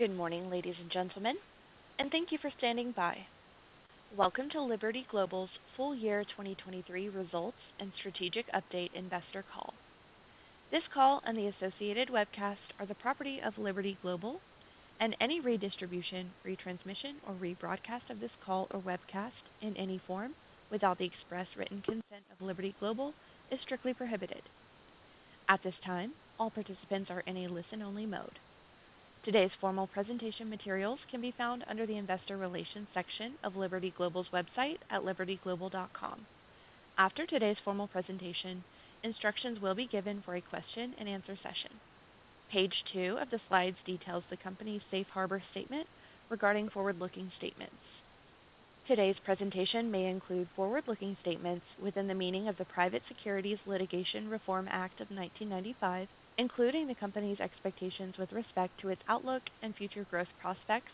Good morning, ladies and gentlemen, and thank you for standing by. Welcome to Liberty Global's full-year 2023 results and strategic update Investor Call. This call and the associated webcast are the property of Liberty Global, and any redistribution, retransmission, or rebroadcast of this call or webcast in any form without the express written consent of Liberty Global is strictly prohibited. At this time, all participants are in a listen-only mode. Today's formal presentation materials can be found under the Investor Relations section of Liberty Global's website at libertyglobal.com. After today's formal presentation, instructions will be given for a question-and-answer session. Page two of the slides details the company's Safe Harbor Statement regarding forward-looking statements. Today's presentation may include forward-looking statements within the meaning of the Private Securities Litigation Reform Act of 1995, including the company's expectations with respect to its outlook and future growth prospects,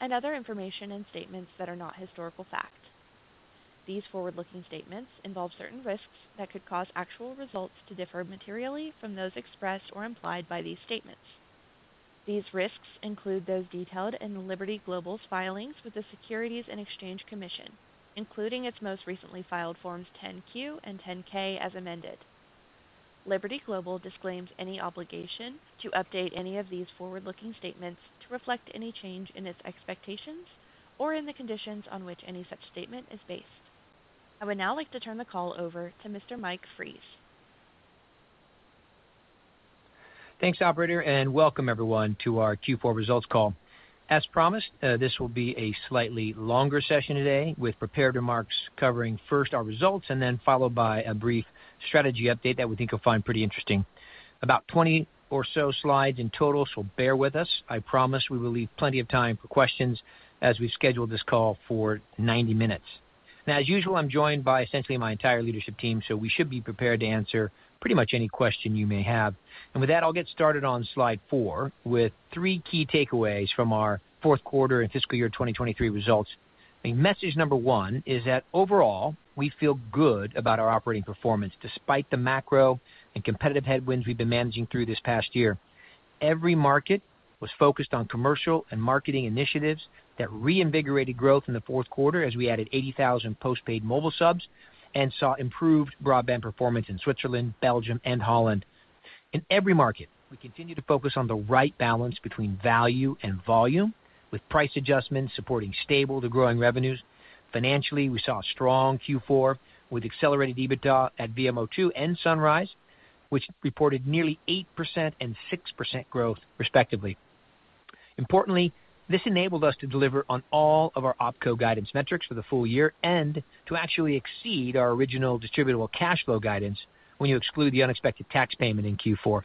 and other information and statements that are not historical fact. These forward-looking statements involve certain risks that could cause actual results to differ materially from those expressed or implied by these statements. These risks include those detailed in Liberty Global's filings with the Securities and Exchange Commission, including its most recently filed Forms 10-Q and 10-K as amended. Liberty Global disclaims any obligation to update any of these forward-looking statements to reflect any change in its expectations or in the conditions on which any such statement is based. I would now like to turn the call over to Mr. Mike Fries. Thanks, operator, and welcome, everyone, to our Q4 results call. As promised, this will be a slightly longer session today with prepared remarks covering first our results and then followed by a brief strategy update that we think you'll find pretty interesting. About 20 or so slides in total, so bear with us. I promise we will leave plenty of time for questions as we've scheduled this call for 90 minutes. Now, as usual, I'm joined by essentially my entire leadership team, so we should be prepared to answer pretty much any question you may have. With that, I'll get started on slide four with three key takeaways from our fourth quarter and fiscal year 2023 results. I mean, message number one is that overall, we feel good about our operating performance despite the macro and competitive headwinds we've been managing through this past year. Every market was focused on commercial and marketing initiatives that reinvigorated growth in the fourth quarter as we added 80,000 postpaid mobile subs and saw improved broadband performance in Switzerland, Belgium, and Holland. In every market, we continue to focus on the right balance between value and volume, with price adjustments supporting stable to growing revenues. Financially, we saw a strong Q4 with accelerated EBITDA at VMO2 and Sunrise, which reported nearly 8% and 6% growth, respectively. Importantly, this enabled us to deliver on all of our OpCo guidance metrics for the full year and to actually exceed our original distributable cash flow guidance when you exclude the unexpected tax payment in Q4.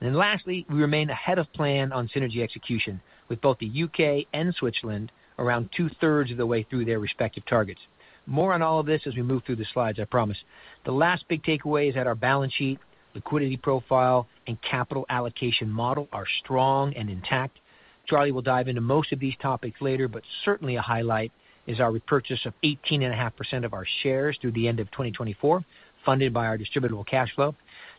And then lastly, we remain ahead of plan on synergy execution, with both the U.K. and Switzerland around 2/3 of the way through their respective targets. More on all of this as we move through the slides, I promise. The last big takeaway is that our balance sheet, liquidity profile, and capital allocation model are strong and intact. Charlie will dive into most of these topics later, but certainly a highlight is our repurchase of 18.5% of our shares through the end of 2024, funded by our distributable cash flow.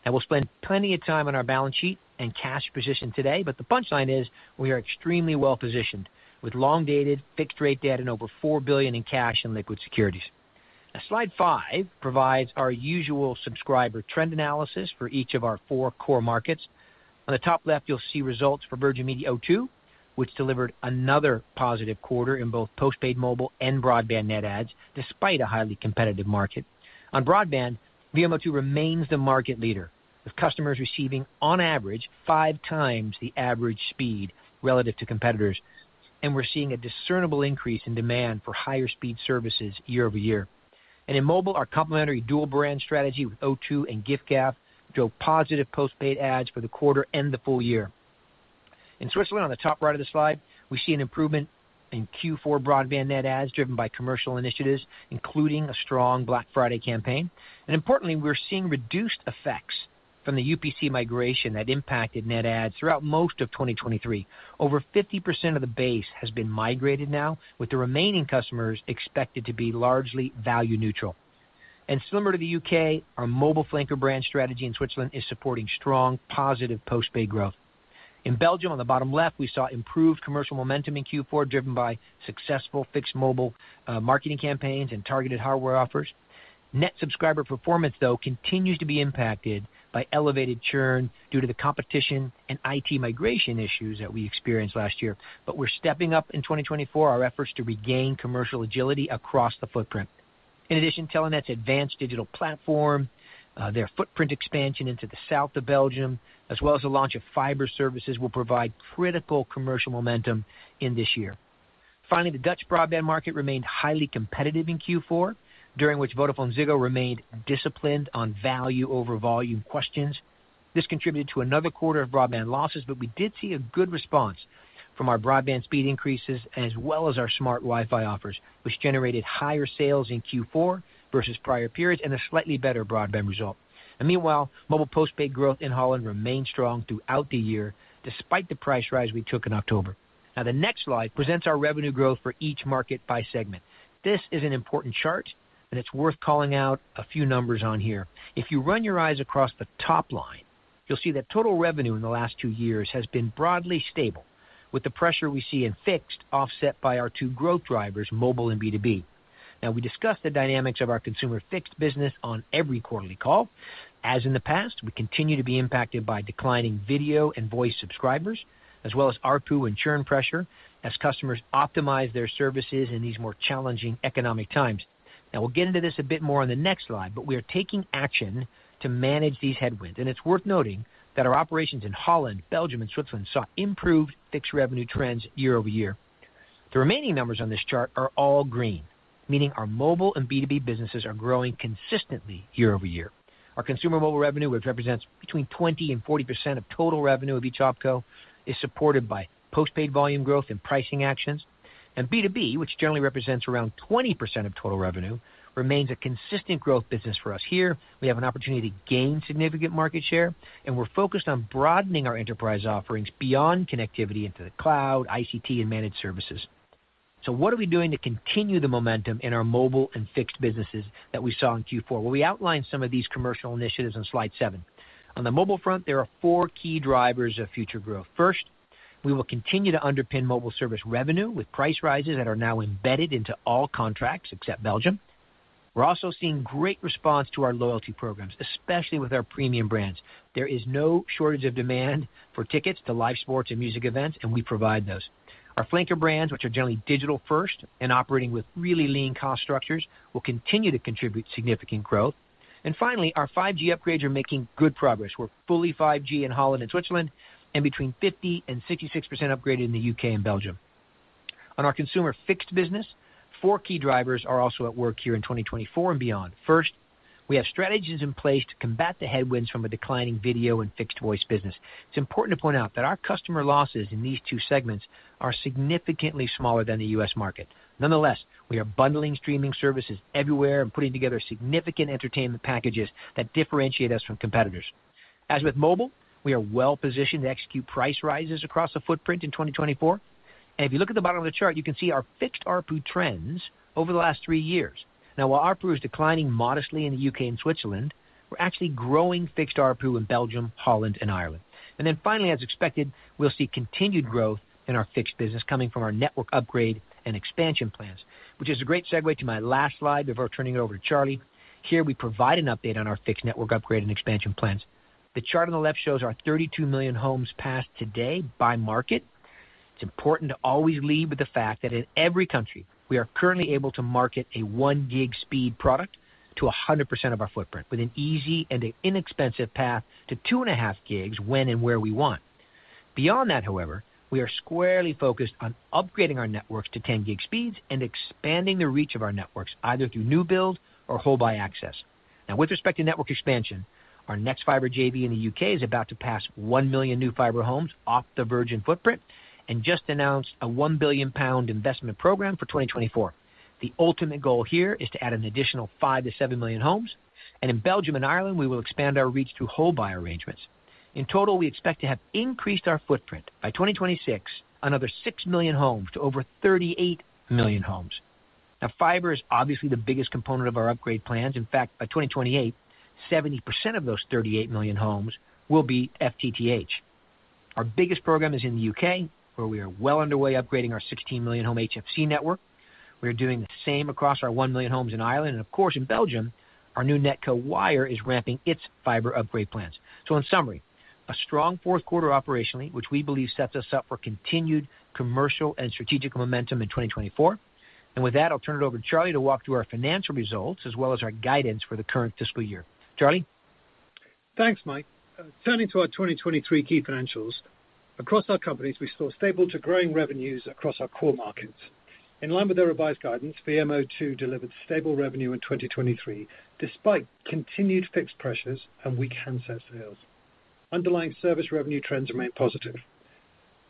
Now, we'll spend plenty of time on our balance sheet and cash position today, but the punchline is we are extremely well-positioned, with long-dated fixed-rate debt and over $4 billion in cash and liquid securities. Now, slide five provides our usual subscriber trend analysis for each of our four core markets. On the top left, you'll see results for Virgin Media O2, which delivered another positive quarter in both postpaid mobile and broadband net ads, despite a highly competitive market. On broadband, VMO2 remains the market leader, with customers receiving, on average, five times the average speed relative to competitors, and we're seeing a discernible increase in demand for higher-speed services year-over-year. In mobile, our complementary dual-brand strategy with O2 and giffgaff drove positive postpaid adds for the quarter and the full year. In Switzerland, on the top right of the slide, we see an improvement in Q4 broadband net adds driven by commercial initiatives, including a strong Black Friday campaign. Importantly, we're seeing reduced effects from the UPC migration that impacted net adds throughout most of 2023. Over 50% of the base has been migrated now, with the remaining customers expected to be largely value-neutral. Similar to the U.K., our mobile flanker brand strategy in Switzerland is supporting strong, positive postpaid growth. In Belgium, on the bottom left, we saw improved commercial momentum in Q4 driven by successful fixed-mobile marketing campaigns and targeted hardware offers. Net subscriber performance, though, continues to be impacted by elevated churn due to the competition and IT migration issues that we experienced last year, but we're stepping up in 2024 our efforts to regain commercial agility across the footprint. In addition, Telenet's advanced digital platform, their footprint expansion into the south of Belgium, as well as the launch of fiber services, will provide critical commercial momentum in this year. Finally, the Dutch broadband market remained highly competitive in Q4, during which VodafoneZiggo remained disciplined on value over volume questions. This contributed to another quarter of broadband losses, but we did see a good response from our broadband speed increases as well as our smart Wi-Fi offers, which generated higher sales in Q4 versus prior periods and a slightly better broadband result. Meanwhile, mobile postpaid growth in Holland remained strong throughout the year despite the price rise we took in October. Now, the next slide presents our revenue growth for each market by segment. This is an important chart, and it's worth calling out a few numbers on here. If you run your eyes across the top line, you'll see that total revenue in the last two years has been broadly stable, with the pressure we see in fixed offset by our two growth drivers, mobile and B2B. Now, we discuss the dynamics of our consumer fixed business on every quarterly call. As in the past, we continue to be impacted by declining video and voice subscribers, as well as ARPU and churn pressure as customers optimize their services in these more challenging economic times. Now, we'll get into this a bit more on the next slide, but we are taking action to manage these headwinds, and it's worth noting that our operations in Holland, Belgium, and Switzerland saw improved fixed revenue trends year-over-year. The remaining numbers on this chart are all green, meaning our mobile and B2B businesses are growing consistently year-over-year. Our consumer mobile revenue, which represents between 20% and 40% of total revenue of each OpCo, is supported by postpaid volume growth and pricing actions. And B2B, which generally represents around 20% of total revenue, remains a consistent growth business for us here. We have an opportunity to gain significant market share, and we're focused on broadening our enterprise offerings beyond connectivity into the cloud, ICT, and managed services. So what are we doing to continue the momentum in our mobile and fixed businesses that we saw in Q4? Well, we outlined some of these commercial initiatives on slide seven. On the mobile front, there are four key drivers of future growth. First, we will continue to underpin mobile service revenue with price rises that are now embedded into all contracts except Belgium. We're also seeing great response to our loyalty programs, especially with our premium brands. There is no shortage of demand for tickets to live sports and music events, and we provide those. Our flanker brands, which are generally digital-first and operating with really lean cost structures, will continue to contribute significant growth. Finally, our 5G upgrades are making good progress. We're fully 5G in Holland and Switzerland, and between 50% and 66% upgraded in the U.K. and Belgium. On our consumer fixed business, four key drivers are also at work here in 2024 and beyond. First, we have strategies in place to combat the headwinds from a declining video and fixed-voice business. It's important to point out that our customer losses in these two segments are significantly smaller than the U.S. market. Nonetheless, we are bundling streaming services everywhere and putting together significant entertainment packages that differentiate us from competitors. As with mobile, we are well-positioned to execute price rises across the footprint in 2024. If you look at the bottom of the chart, you can see our fixed ARPU trends over the last three years. Now, while ARPU is declining modestly in the U.K. and Switzerland, we're actually growing fixed ARPU in Belgium, Holland, and Ireland. Then finally, as expected, we'll see continued growth in our fixed business coming from our network upgrade and expansion plans, which is a great segue to my last slide before turning it over to Charlie. Here, we provide an update on our fixed network upgrade and expansion plans. The chart on the left shows our 32 million homes passed today by market. It's important to always lead with the fact that in every country, we are currently able to market a 1 gig speed product to 100% of our footprint, with an easy and inexpensive path to 2.5 gigs when and where we want. Beyond that, however, we are squarely focused on upgrading our networks to 10-gig speeds and expanding the reach of our networks, either through new build or whole buy access. Now, with respect to network expansion, our nexfibre JV in the U.K. is about to pass 1 million new fiber homes off the Virgin footprint and just announced a 1 billion pound investment program for 2024. The ultimate goal here is to add an additional 5 million-7 million homes, and in Belgium and Ireland, we will expand our reach through whole buy arrangements. In total, we expect to have increased our footprint by 2026 another 6 million homes to over 38 million homes. Now, fiber is obviously the biggest component of our upgrade plans. In fact, by 2028, 70% of those 38 million homes will be FTTH. Our biggest program is in the U.K., where we are well underway upgrading our 16 million home HFC network. We are doing the same across our 1 million homes in Ireland, and of course, in Belgium, our new NetCo Wyre is ramping its fiber upgrade plans. So in summary, a strong fourth quarter operationally, which we believe sets us up for continued commercial and strategical momentum in 2024. And with that, I'll turn it over to Charlie to walk through our financial results as well as our guidance for the current fiscal year. Charlie? Thanks, Mike. Turning to our 2023 key financials. Across our companies, we saw stable to growing revenues across our core markets. In line with their revised guidance, VMO2 delivered stable revenue in 2023 despite continued fixed pressures and weak handset sales. Underlying service revenue trends remain positive.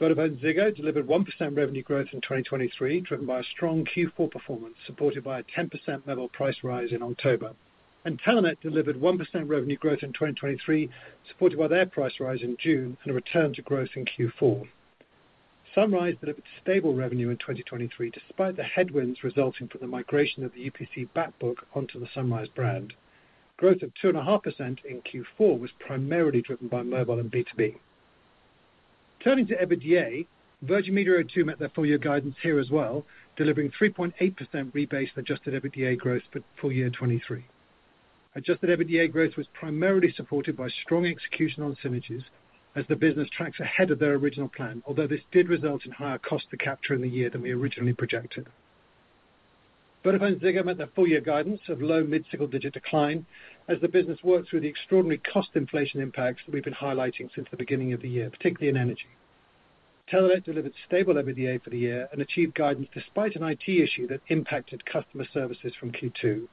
VodafoneZiggo delivered 1% revenue growth in 2023 driven by a strong Q4 performance supported by a 10% mobile price rise in October. Telenet delivered 1% revenue growth in 2023 supported by their price rise in June and a return to growth in Q4. Sunrise delivered stable revenue in 2023 despite the headwinds resulting from the migration of the UPC backbook onto the Sunrise brand. Growth of 2.5% in Q4 was primarily driven by mobile and B2B. Turning to EBITDA, Virgin Media O2 met their full-year guidance here as well, delivering 3.8% rebased in adjusted EBITDA growth for full year 2023. Adjusted EBITDA growth was primarily supported by strong execution on synergies as the business tracks ahead of their original plan, although this did result in higher costs to capture in the year than we originally projected. VodafoneZiggo met their full-year guidance of low mid-single-digit decline as the business worked through the extraordinary cost inflation impacts that we've been highlighting since the beginning of the year, particularly in energy. Telenet delivered stable EBITDA for the year and achieved guidance despite an IT issue that impacted customer services from Q2.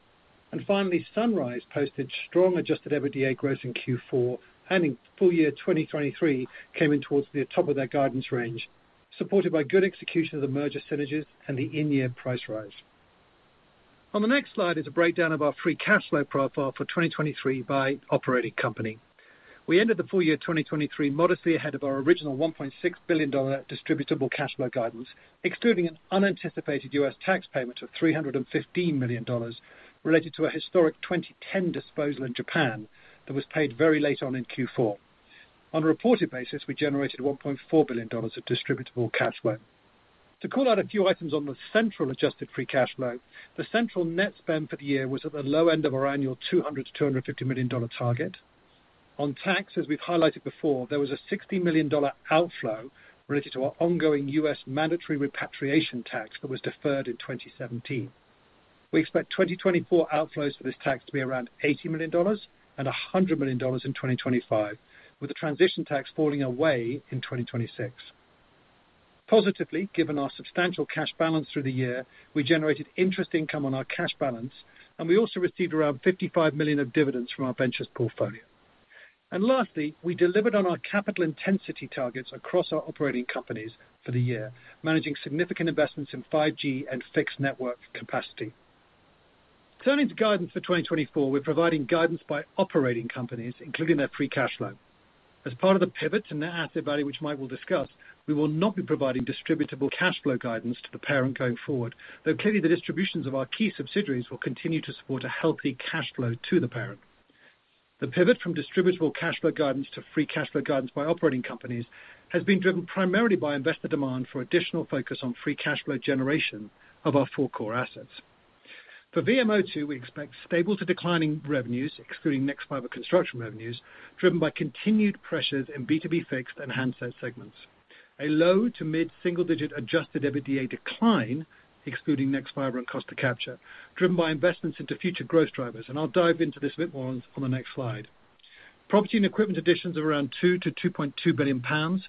Finally, Sunrise posted strong adjusted EBITDA growth in Q4, and in full year 2023 came in towards the top of their guidance range, supported by good execution of the merger synergies and the in-year price rise. On the next slide is a breakdown of our free cash flow profile for 2023 by operating company. We ended the full year 2023 modestly ahead of our original $1.6 billion distributable cash flow guidance, excluding an unanticipated U.S. tax payment of $315 million related to a historic 2010 disposal in Japan that was paid very late on in Q4. On a reported basis, we generated $1.4 billion of distributable cash flow. To call out a few items on the central adjusted free cash flow, the central net spend for the year was at the low end of our annual $200 million-$250 million target. On tax, as we've highlighted before, there was a $60 million outflow related to our ongoing U.S. mandatory repatriation tax that was deferred in 2017. We expect 2024 outflows for this tax to be around $80 million and $100 million in 2025, with the transition tax falling away in 2026. Positively, given our substantial cash balance through the year, we generated interest income on our cash balance, and we also received around $55 million of dividends from our ventures portfolio. Lastly, we delivered on our capital intensity targets across our operating companies for the year, managing significant investments in 5G and fixed network capacity. Turning to guidance for 2024, we're providing guidance by operating companies, including their free cash flow. As part of the pivot to net asset value, which Mike will discuss, we will not be providing distributable cash flow guidance to the parent going forward, though clearly the distributions of our key subsidiaries will continue to support a healthy cash flow to the parent. The pivot from distributable cash flow guidance to free cash flow guidance by operating companies has been driven primarily by investor demand for additional focus on free cash flow generation of our four core assets. For VMO2, we expect stable to declining revenues, excluding nexfibre construction revenues, driven by continued pressures in B2B fixed and handset segments. A low to mid-single-digit adjusted EBITDA decline, excluding nexfibre and cost to capture, driven by investments into future growth drivers, and I'll dive into this a bit more on the next slide. Property and equipment additions of around 2 billion-2.2 billion pounds.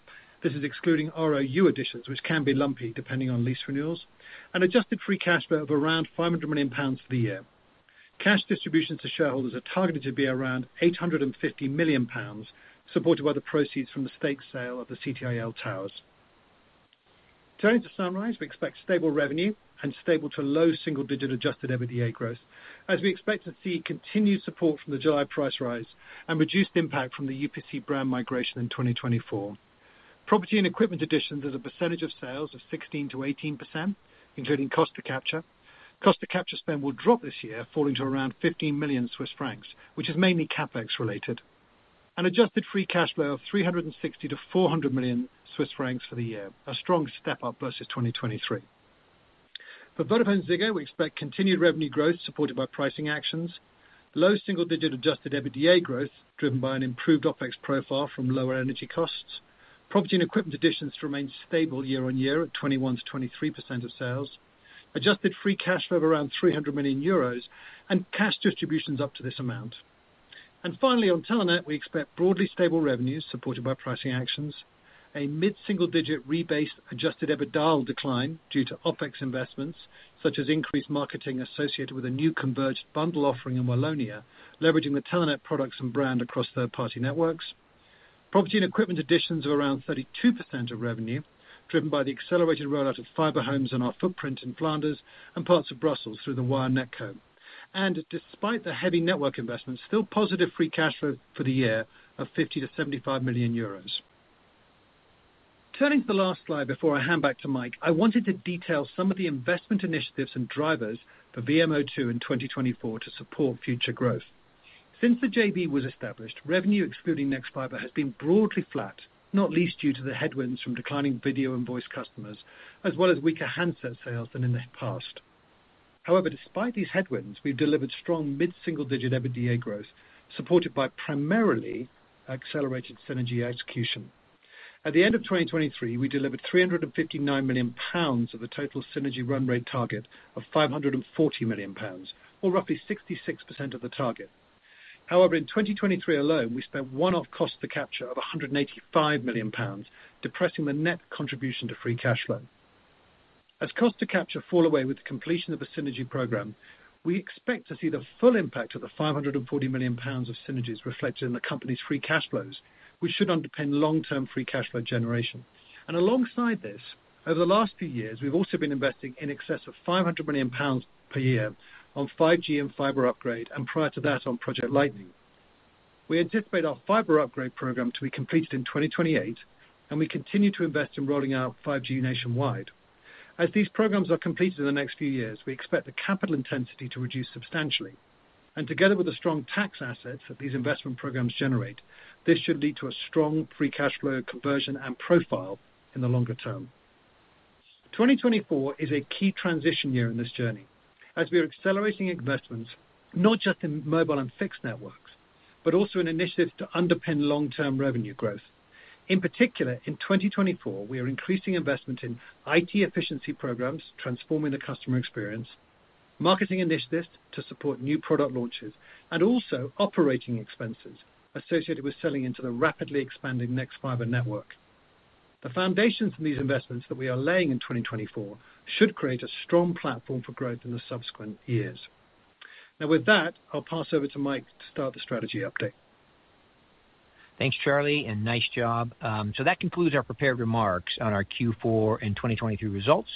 This is excluding ROU additions, which can be lumpy depending on lease renewals. Adjusted free cash flow of around 500 million pounds for the year. Cash distributions to shareholders are targeted to be around 850 million pounds, supported by the proceeds from the stake sale of the CTIL towers. Turning to Sunrise, we expect stable revenue and stable to low single-digit adjusted EBITDA growth, as we expect to see continued support from the July price rise and reduced impact from the UPC brand migration in 2024. Property and equipment additions as a percentage of sales of 16%-18%, including cost to capture. Cost to capture spend will drop this year, falling to around 15 million Swiss francs, which is mainly CapEx related. Adjusted free cash flow of 360 million-400 million Swiss francs for the year, a strong step up versus 2023. For VodafoneZiggo, we expect continued revenue growth supported by pricing actions. Low single-digit adjusted EBITDA growth driven by an improved OpEx profile from lower energy costs. Property and equipment additions to remain stable year-on-year at 21%-23% of sales. Adjusted free cash flow of around 300 million euros, and cash distributions up to this amount. Finally, on Telenet, we expect broadly stable revenues supported by pricing actions. A mid-single-digit rebased adjusted EBITDA declined due to OpEx investments such as increased marketing associated with a new converged bundle offering in Wallonia, leveraging the Telenet products and brand across third-party networks. Property and equipment additions of around 32% of revenue driven by the accelerated rollout of fiber homes on our footprint in Flanders and parts of Brussels through the Wyre NetCo. Despite the heavy network investments, still positive free cash flow for the year of 50 million-75 million euros. Turning to the last slide before I hand back to Mike, I wanted to detail some of the investment initiatives and drivers for VMO2 in 2024 to support future growth. Since the JV was established, revenue excluding nexfibre has been broadly flat, not least due to the headwinds from declining video and voice customers, as well as weaker handset sales than in the past. However, despite these headwinds, we've delivered strong mid-single-digit EBITDA growth supported by primarily accelerated synergy execution. At the end of 2023, we delivered 359 million pounds of the total synergy run rate target of 540 million pounds, or roughly 66% of the target. However, in 2023 alone, we spent one-off cost to capture of 185 million pounds, depressing the net contribution to free cash flow. As cost to capture fall away with the completion of the synergy program, we expect to see the full impact of the 540 million pounds of synergies reflected in the company's free cash flows, which should underpin long-term free cash flow generation. And alongside this, over the last few years, we've also been investing in excess of 500 million pounds per year on 5G and fiber upgrade, and prior to that, on Project Lightning. We anticipate our fiber upgrade program to be completed in 2028, and we continue to invest in rolling out 5G nationwide. As these programs are completed in the next few years, we expect the capital intensity to reduce substantially. And together with the strong tax assets that these investment programs generate, this should lead to a strong free cash flow conversion and profile in the longer term. 2024 is a key transition year in this journey, as we are accelerating investments not just in mobile and fixed networks, but also in initiatives to underpin long-term revenue growth. In particular, in 2024, we are increasing investment in IT efficiency programs, transforming the customer experience, marketing initiatives to support new product launches, and also operating expenses associated with selling into the rapidly expanding nexfibre network. The foundations of these investments that we are laying in 2024 should create a strong platform for growth in the subsequent years. Now, with that, I'll pass over to Mike to start the strategy update. Thanks, Charlie, and nice job. So that concludes our prepared remarks on our Q4 and 2023 results,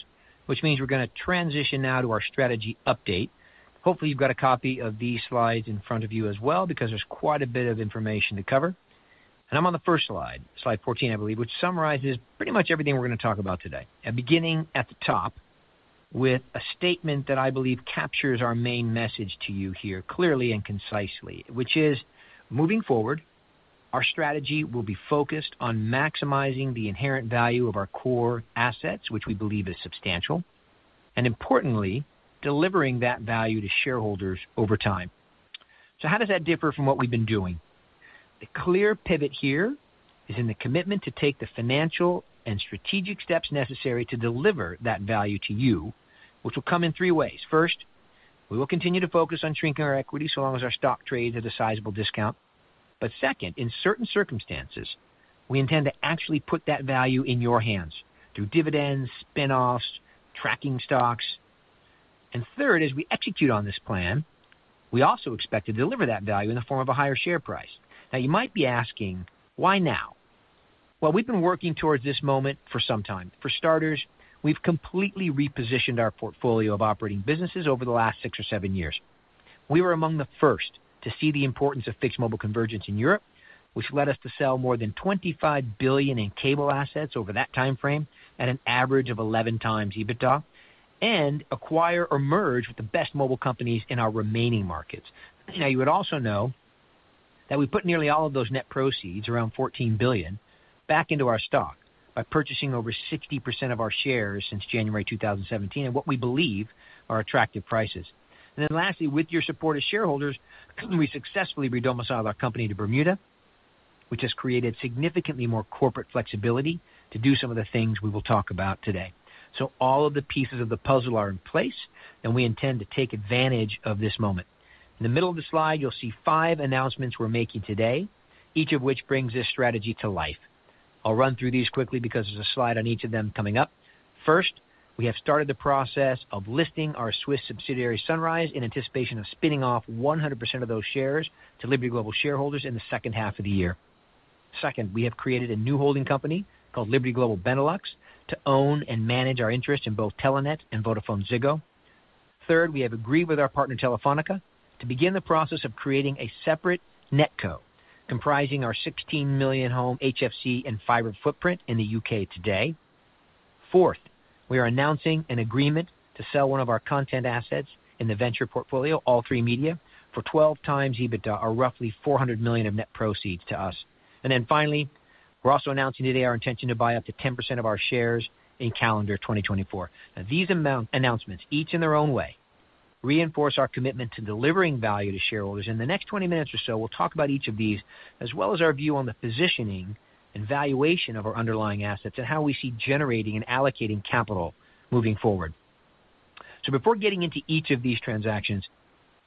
which means we're going to transition now to our strategy update. Hopefully, you've got a copy of these slides in front of you as well because there's quite a bit of information to cover. I'm on the first slide, slide 14, I believe, which summarizes pretty much everything we're going to talk about today, beginning at the top with a statement that I believe captures our main message to you here clearly and concisely, which is, moving forward, our strategy will be focused on maximizing the inherent value of our core assets, which we believe is substantial, and importantly, delivering that value to shareholders over time. So how does that differ from what we've been doing? The clear pivot here is in the commitment to take the financial and strategic steps necessary to deliver that value to you, which will come in three ways. First, we will continue to focus on shrinking our equities so long as our stock trades at a sizable discount. But second, in certain circumstances, we intend to actually put that value in your hands through dividends, spinoffs, tracking stocks. And third, as we execute on this plan, we also expect to deliver that value in the form of a higher share price. Now, you might be asking, why now? Well, we've been working towards this moment for some time. For starters, we've completely repositioned our portfolio of operating businesses over the last six or seven years. We were among the first to see the importance of fixed mobile convergence in Europe, which led us to sell more than $25 billion in cable assets over that time frame at an average of 11x EBITDA, and acquire or merge with the best mobile companies in our remaining markets. Now, you would also know that we put nearly all of those net proceeds, around $14 billion, back into our stock by purchasing over 60% of our shares since January 2017 at what we believe are attractive prices. And then lastly, with your support as shareholders, we successfully redomiciled our company to Bermuda, which has created significantly more corporate flexibility to do some of the things we will talk about today. So all of the pieces of the puzzle are in place, and we intend to take advantage of this moment. In the middle of the slide, you'll see five announcements we're making today, each of which brings this strategy to life. I'll run through these quickly because there's a slide on each of them coming up. First, we have started the process of listing our Swiss subsidiary Sunrise in anticipation of spinning off 100% of those shares to Liberty Global shareholders in the second half of the year. Second, we have created a new holding company called Liberty Global Benelux to own and manage our interests in both Telenet and VodafoneZiggo. Third, we have agreed with our partner Telefónica to begin the process of creating a separate NetCo comprising our 16 million home HFC and fiber footprint in the U.K. today. Fourth, we are announcing an agreement to sell one of our content assets in the venture portfolio, All3Media, for 12x EBITDA, or roughly $400 million of net proceeds to us. Then finally, we're also announcing today our intention to buy up to 10% of our shares in calendar 2024. Now, these announcements, each in their own way, reinforce our commitment to delivering value to shareholders. In the next 20 minutes or so, we'll talk about each of these, as well as our view on the positioning and valuation of our underlying assets and how we see generating and allocating capital moving forward. So before getting into each of these transactions,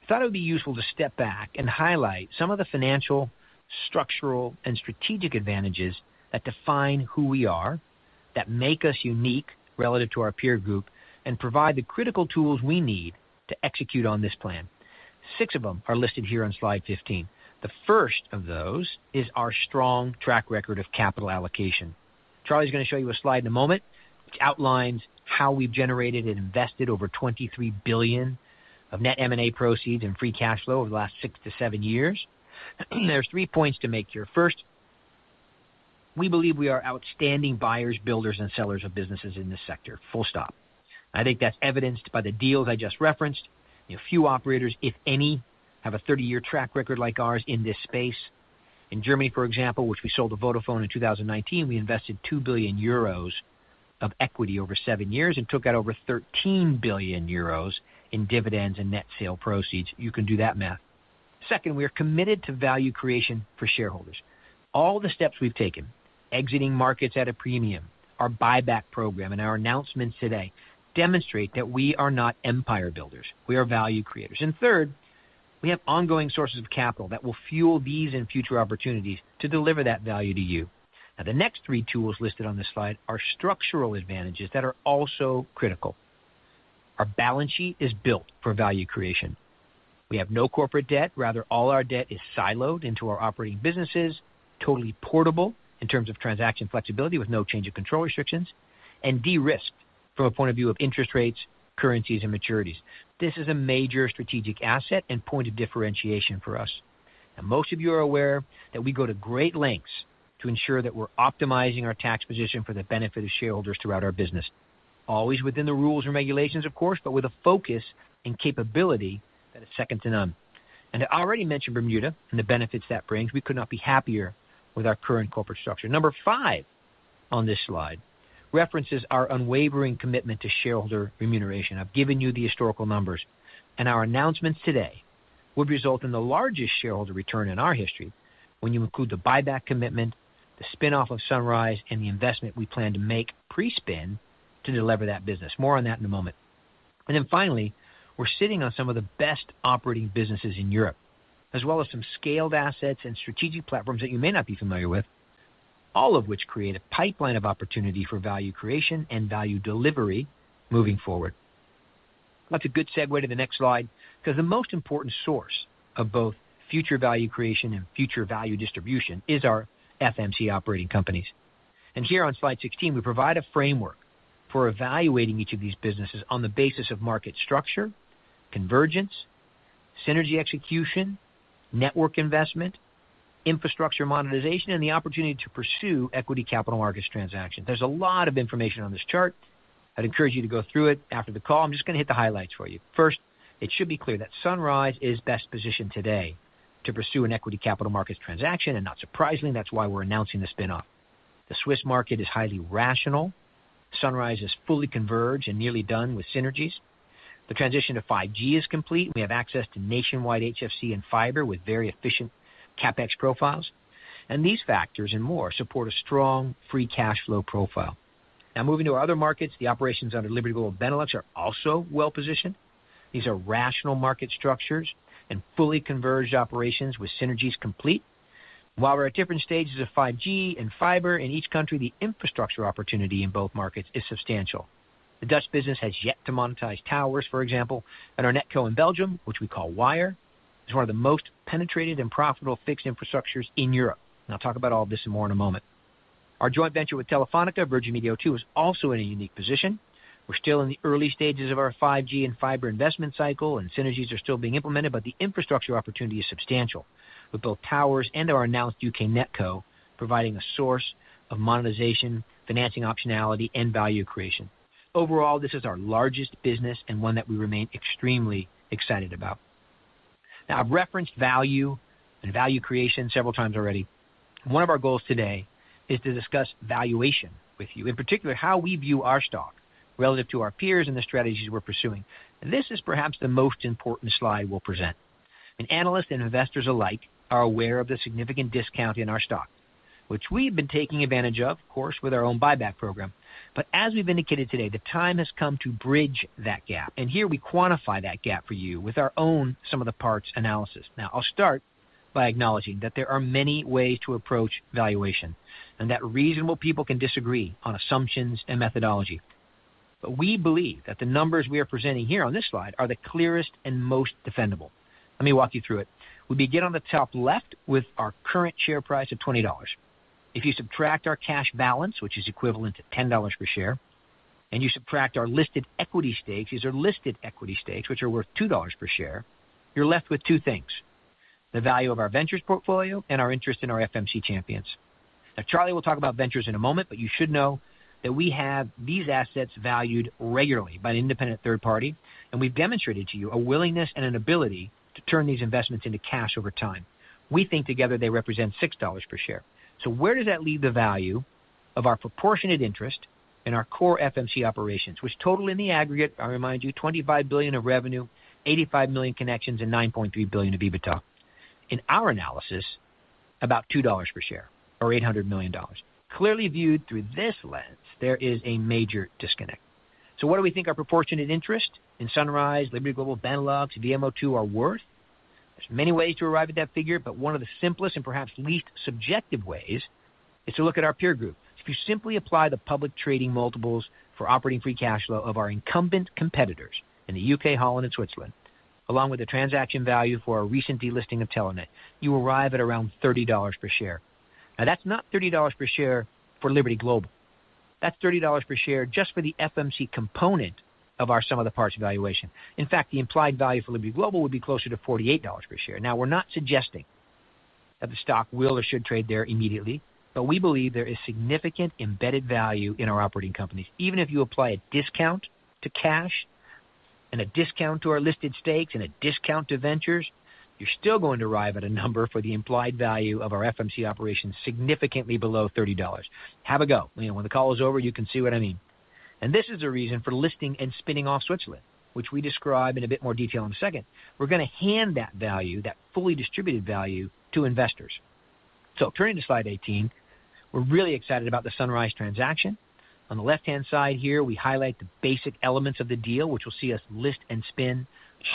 I thought it would be useful to step back and highlight some of the financial, structural, and strategic advantages that define who we are, that make us unique relative to our peer group, and provide the critical tools we need to execute on this plan. Six of them are listed here on slide 15. The first of those is our strong track record of capital allocation. Charlie's going to show you a slide in a moment which outlines how we've generated and invested over $23 billion of net M&A proceeds and free cash flow over the last six to seven years. There's three points to make here. First, we believe we are outstanding buyers, builders, and sellers of businesses in this sector. Full stop. I think that's evidenced by the deals I just referenced. A few operators, if any, have a 30-year track record like ours in this space. In Germany, for example, which we sold to Vodafone in 2019, we invested 2 billion euros of equity over seven years and took out over 13 billion euros in dividends and net sale proceeds. You can do that math. Second, we are committed to value creation for shareholders. All the steps we've taken, exiting markets at a premium, our buyback program, and our announcements today demonstrate that we are not empire builders. We are value creators. And third, we have ongoing sources of capital that will fuel these and future opportunities to deliver that value to you. Now, the next three tools listed on this slide are structural advantages that are also critical. Our balance sheet is built for value creation. We have no corporate debt. Rather, all our debt is siloed into our operating businesses, totally portable in terms of transaction flexibility with no change of control restrictions, and de-risked from a point of view of interest rates, currencies, and maturities. This is a major strategic asset and point of differentiation for us. Now, most of you are aware that we go to great lengths to ensure that we're optimizing our tax position for the benefit of shareholders throughout our business, always within the rules and regulations, of course, but with a focus and capability that is second to none. And to already mention Bermuda and the benefits that brings, we could not be happier with our current corporate structure. Number five on this slide references our unwavering commitment to shareholder remuneration. I've given you the historical numbers. Our announcements today would result in the largest shareholder return in our history when you include the buyback commitment, the spinoff of Sunrise, and the investment we plan to make pre-spin to deliver that business. More on that in a moment. Then finally, we're sitting on some of the best operating businesses in Europe, as well as some scaled assets and strategic platforms that you may not be familiar with, all of which create a pipeline of opportunity for value creation and value delivery moving forward. That's a good segue to the next slide because the most important source of both future value creation and future value distribution is our FMC operating companies. Here on slide 16, we provide a framework for evaluating each of these businesses on the basis of market structure, convergence, synergy execution, network investment, infrastructure monetization, and the opportunity to pursue equity capital markets transactions. There's a lot of information on this chart. I'd encourage you to go through it after the call. I'm just going to hit the highlights for you. First, it should be clear that Sunrise is best positioned today to pursue an equity capital markets transaction, and not surprisingly, that's why we're announcing the spinoff. The Swiss market is highly rational. Sunrise has fully converged and nearly done with synergies. The transition to 5G is complete. We have access to nationwide HFC and fiber with very efficient CapEx profiles. And these factors and more support a strong free cash flow profile. Now, moving to our other markets, the operations under Liberty Global Benelux are also well positioned. These are rational market structures and fully converged operations with synergies complete. While we're at different stages of 5G and fiber in each country, the infrastructure opportunity in both markets is substantial. The Dutch business has yet to monetize towers, for example, and our NetCo in Belgium, which we call Wyre, is one of the most penetrated and profitable fixed infrastructures in Europe. I'll talk about all of this more in a moment. Our joint venture with Telefónica, Virgin Media O2, is also in a unique position. We're still in the early stages of our 5G and fiber investment cycle, and synergies are still being implemented, but the infrastructure opportunity is substantial with both towers and our announced U.K. NetCo providing a source of monetization, financing optionality, and value creation. Overall, this is our largest business and one that we remain extremely excited about. Now, I've referenced value and value creation several times already. One of our goals today is to discuss valuation with you, in particular how we view our stock relative to our peers and the strategies we're pursuing. This is perhaps the most important slide we'll present. Analysts and investors alike are aware of the significant discount in our stock, which we've been taking advantage of, of course, with our own buyback program. But as we've indicated today, the time has come to bridge that gap. And here we quantify that gap for you with our own sum-of-the-parts analysis. Now, I'll start by acknowledging that there are many ways to approach valuation and that reasonable people can disagree on assumptions and methodology. But we believe that the numbers we are presenting here on this slide are the clearest and most defensible. Let me walk you through it. We begin on the top left with our current share price of $20. If you subtract our cash balance, which is equivalent to $10 per share, and you subtract our listed equity stakes, these are listed equity stakes, which are worth $2 per share, you're left with two things: the value of our ventures portfolio and our interest in our FMC champions. Now, Charlie will talk about ventures in a moment, but you should know that we have these assets valued regularly by an independent third party, and we've demonstrated to you a willingness and an ability to turn these investments into cash over time. We think together they represent $6 per share. So where does that leave the value of our proportionate interest in our core FMC operations, which total in the aggregate, I remind you, $25 billion of revenue, 85 million connections, and $9.3 billion of EBITDA? In our analysis, about $2 per share, or $800 million. Clearly viewed through this lens, there is a major disconnect. So what do we think our proportionate interest in Sunrise, Liberty Global Benelux, VMO2 are worth? There's many ways to arrive at that figure, but one of the simplest and perhaps least subjective ways is to look at our peer group. If you simply apply the public trading multiples for operating free cash flow of our incumbent competitors in the U.K., Holland, and Switzerland, along with the transaction value for our recent delisting of Telenet, you arrive at around $30 per share. Now, that's not $30 per share for Liberty Global. That's $30 per share just for the FMC component of our sum-of-the-parts valuation. In fact, the implied value for Liberty Global would be closer to $48 per share. Now, we're not suggesting that the stock will or should trade there immediately, but we believe there is significant embedded value in our operating companies. Even if you apply a discount to cash and a discount to our listed stakes and a discount to ventures, you're still going to arrive at a number for the implied value of our FMC operations significantly below $30. Have a go. When the call is over, you can see what I mean. And this is the reason for listing and spinning off Switzerland, which we describe in a bit more detail in a second. We're going to hand that value, that fully distributed value, to investors. Turning to slide 18, we're really excited about the Sunrise transaction. On the left-hand side here, we highlight the basic elements of the deal, which will see us list and spin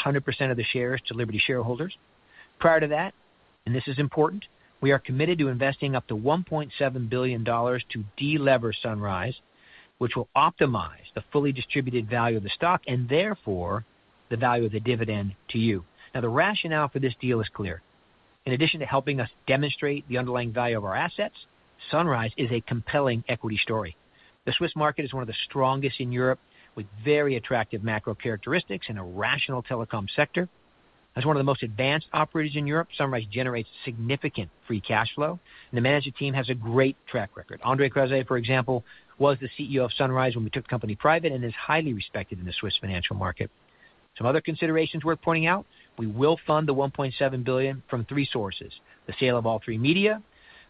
100% of the shares to Liberty shareholders. Prior to that, and this is important, we are committed to investing up to $1.7 billion to de-lever Sunrise, which will optimize the fully distributed value of the stock and therefore the value of the dividend to you. Now, the rationale for this deal is clear. In addition to helping us demonstrate the underlying value of our assets, Sunrise is a compelling equity story. The Swiss market is one of the strongest in Europe with very attractive macro characteristics and a rational telecom sector. As one of the most advanced operators in Europe, Sunrise generates significant free cash flow, and the management team has a great track record. André Krause, for example, was the CEO of Sunrise when we took the company private and is highly respected in the Swiss financial market. Some other considerations worth pointing out: we will fund the $1.7 billion from three sources: the sale of All3Media,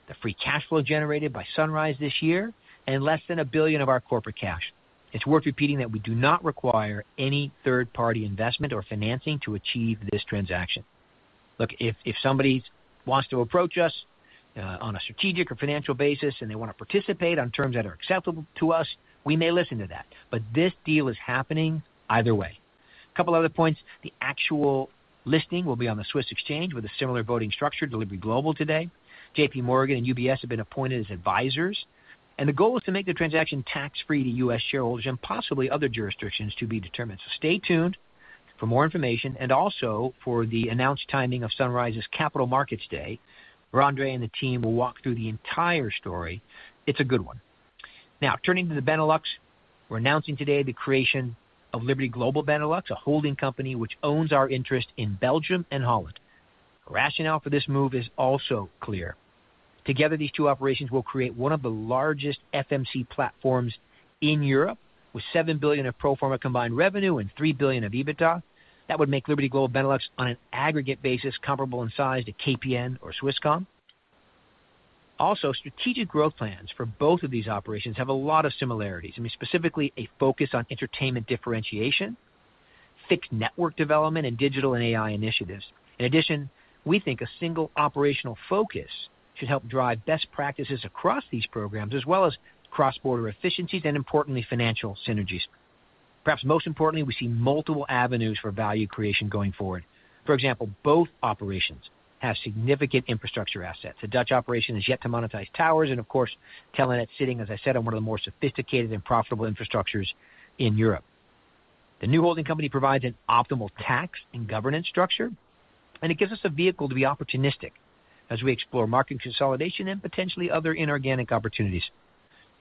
the free cash flow generated by Sunrise this year, and less than $1 billion of our corporate cash. It's worth repeating that we do not require any third-party investment or financing to achieve this transaction. Look, if somebody wants to approach us on a strategic or financial basis and they want to participate on terms that are acceptable to us, we may listen to that. But this deal is happening either way. A couple of other points: the actual listing will be on the Swiss exchange with a similar voting structure to Liberty Global today. JPMorgan and UBS have been appointed as advisors. The goal is to make the transaction tax-free to U.S. shareholders and possibly other jurisdictions to be determined. Stay tuned for more information and also for the announced timing of Sunrise's Capital Markets Day where André and the team will walk through the entire story. It's a good one. Now, turning to the Benelux, we're announcing today the creation of Liberty Global Benelux, a holding company which owns our interest in Belgium and Holland. The rationale for this move is also clear. Together, these two operations will create one of the largest FMC platforms in Europe with $7 billion of pro forma combined revenue and $3 billion of EBITDA. That would make Liberty Global Benelux, on an aggregate basis, comparable in size to KPN or Swisscom. Also, strategic growth plans for both of these operations have a lot of similarities. I mean, specifically a focus on entertainment differentiation, fixed network development, and digital and AI initiatives. In addition, we think a single operational focus should help drive best practices across these programs, as well as cross-border efficiencies and, importantly, financial synergies. Perhaps most importantly, we see multiple avenues for value creation going forward. For example, both operations have significant infrastructure assets. The Dutch operation has yet to monetize towers and, of course, Telenet's sitting, as I said, on one of the more sophisticated and profitable infrastructures in Europe. The new holding company provides an optimal tax and governance structure, and it gives us a vehicle to be opportunistic as we explore market consolidation and potentially other inorganic opportunities.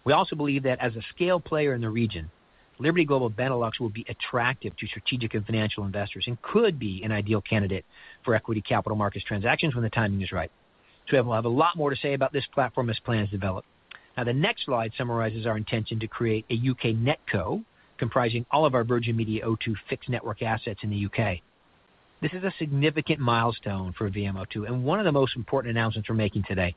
We also believe that as a scale player in the region, Liberty Global Benelux will be attractive to strategic and financial investors and could be an ideal candidate for equity capital markets transactions when the timing is right. So we'll have a lot more to say about this platform as plans develop. Now, the next slide summarizes our intention to create a U.K. NetCo comprising all of our Virgin Media O2 fixed network assets in the U.K. This is a significant milestone for VMO2 and one of the most important announcements we're making today.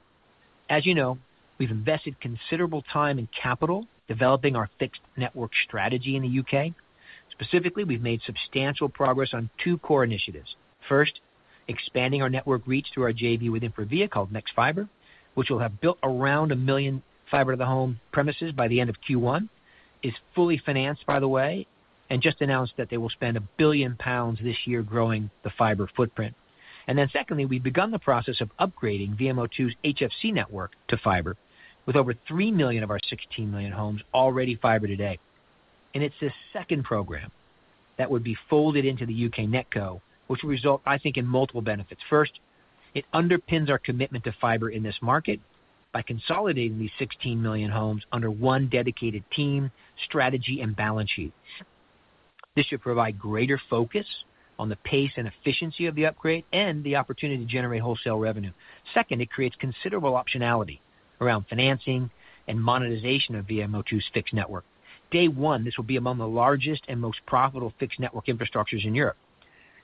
As you know, we've invested considerable time and capital developing our fixed network strategy in the U.K. Specifically, we've made substantial progress on two core initiatives. First, expanding our network reach through our JV with InfraVia called nexfibre, which will have built around 1 million fiber-to-the-home premises by the end of Q1. It's fully financed, by the way, and just announced that they will spend 1 billion pounds this year growing the fiber footprint. Then secondly, we've begun the process of upgrading VMO2's HFC network to fiber, with over 3 million of our 16 million homes already fiber today. And it's this second program that would be folded into the U.K. NetCo, which will result, I think, in multiple benefits. First, it underpins our commitment to fiber in this market by consolidating these 16 million homes under one dedicated team, strategy, and balance sheet. This should provide greater focus on the pace and efficiency of the upgrade and the opportunity to generate wholesale revenue. Second, it creates considerable optionality around financing and monetization of VMO2's fixed network. Day one, this will be among the largest and most profitable fixed network infrastructures in Europe.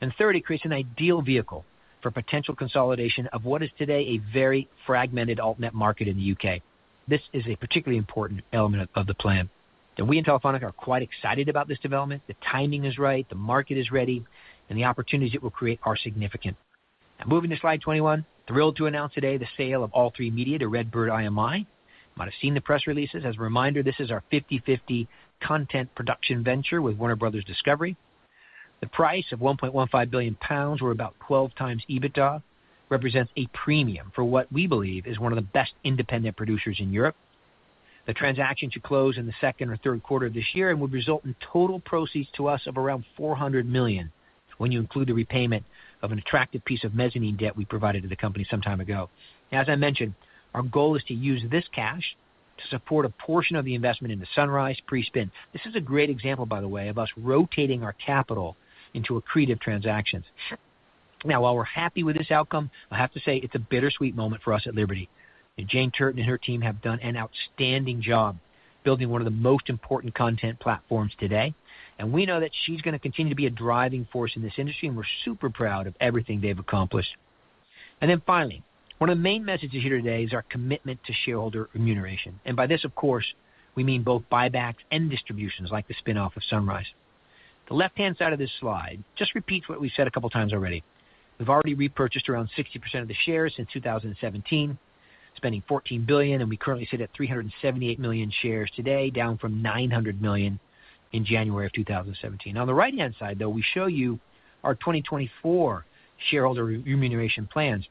And third, it creates an ideal vehicle for potential consolidation of what is today a very fragmented alt-net market in the U.K. This is a particularly important element of the plan. And we in Telefónica are quite excited about this development. The timing is right, the market is ready, and the opportunities it will create are significant. Now, moving to slide 21, thrilled to announce today the sale of All3Media to RedBird IMI. You might have seen the press releases. As a reminder, this is our 50/50 content production venture with Warner Bros. Discovery. The price of 1.15 billion pounds, or about 12x EBITDA, represents a premium for what we believe is one of the best independent producers in Europe. The transaction should close in the second or third quarter of this year and would result in total proceeds to us of around $400 million when you include the repayment of an attractive piece of mezzanine debt we provided to the company some time ago. Now, as I mentioned, our goal is to use this cash to support a portion of the investment into Sunrise pre-spin. This is a great example, by the way, of us rotating our capital into accretive transactions. Now, while we're happy with this outcome, I have to say it's a bittersweet moment for us at Liberty. Jane Turton and her team have done an outstanding job building one of the most important content platforms today. We know that she's going to continue to be a driving force in this industry, and we're super proud of everything they've accomplished. And then finally, one of the main messages here today is our commitment to shareholder remuneration. By this, of course, we mean both buybacks and distributions like the spinoff of Sunrise. The left-hand side of this slide just repeats what we've said a couple of times already. We've already repurchased around 60% of the shares since 2017, spending $14 billion, and we currently sit at 378 million shares today, down from $900 million in January of 2017. On the right-hand side, though, we show you our 2024 shareholder remuneration plans.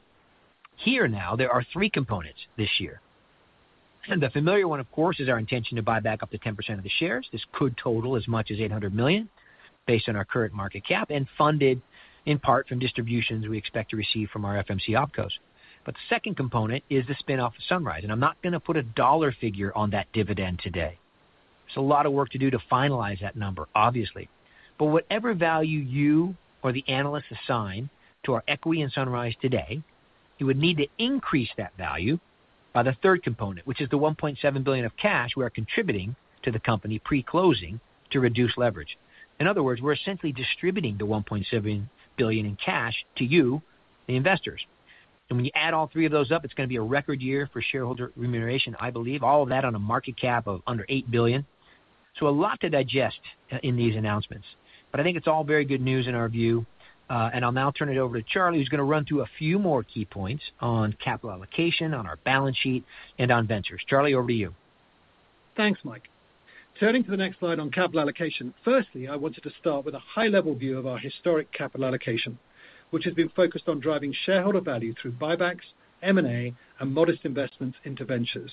Here now, there are three components this year. The familiar one, of course, is our intention to buy back up to 10% of the shares. This could total as much as $800 million based on our current market cap and funded in part from distributions we expect to receive from our FMC OpCos. The second component is the spin-off of Sunrise, and I'm not going to put a dollar figure on that dividend today. There's a lot of work to do to finalize that number, obviously. Whatever value you or the analysts assign to our equity in Sunrise today, you would need to increase that value by the third component, which is the $1.7 billion of cash we are contributing to the company pre-closing to reduce leverage. In other words, we're essentially distributing the $1.7 billion in cash to you, the investors. When you add all three of those up, it's going to be a record year for shareholder remuneration, I believe, all of that on a market cap of under $8 billion. A lot to digest in these announcements. I think it's all very good news in our view. I'll now turn it over to Charlie, who's going to run through a few more key points on capital allocation, on our balance sheet, and on ventures. Charlie, over to you. Thanks, Mike. Turning to the next slide on capital allocation, firstly, I wanted to start with a high-level view of our historic capital allocation, which has been focused on driving shareholder value through buybacks, M&A, and modest investments into ventures.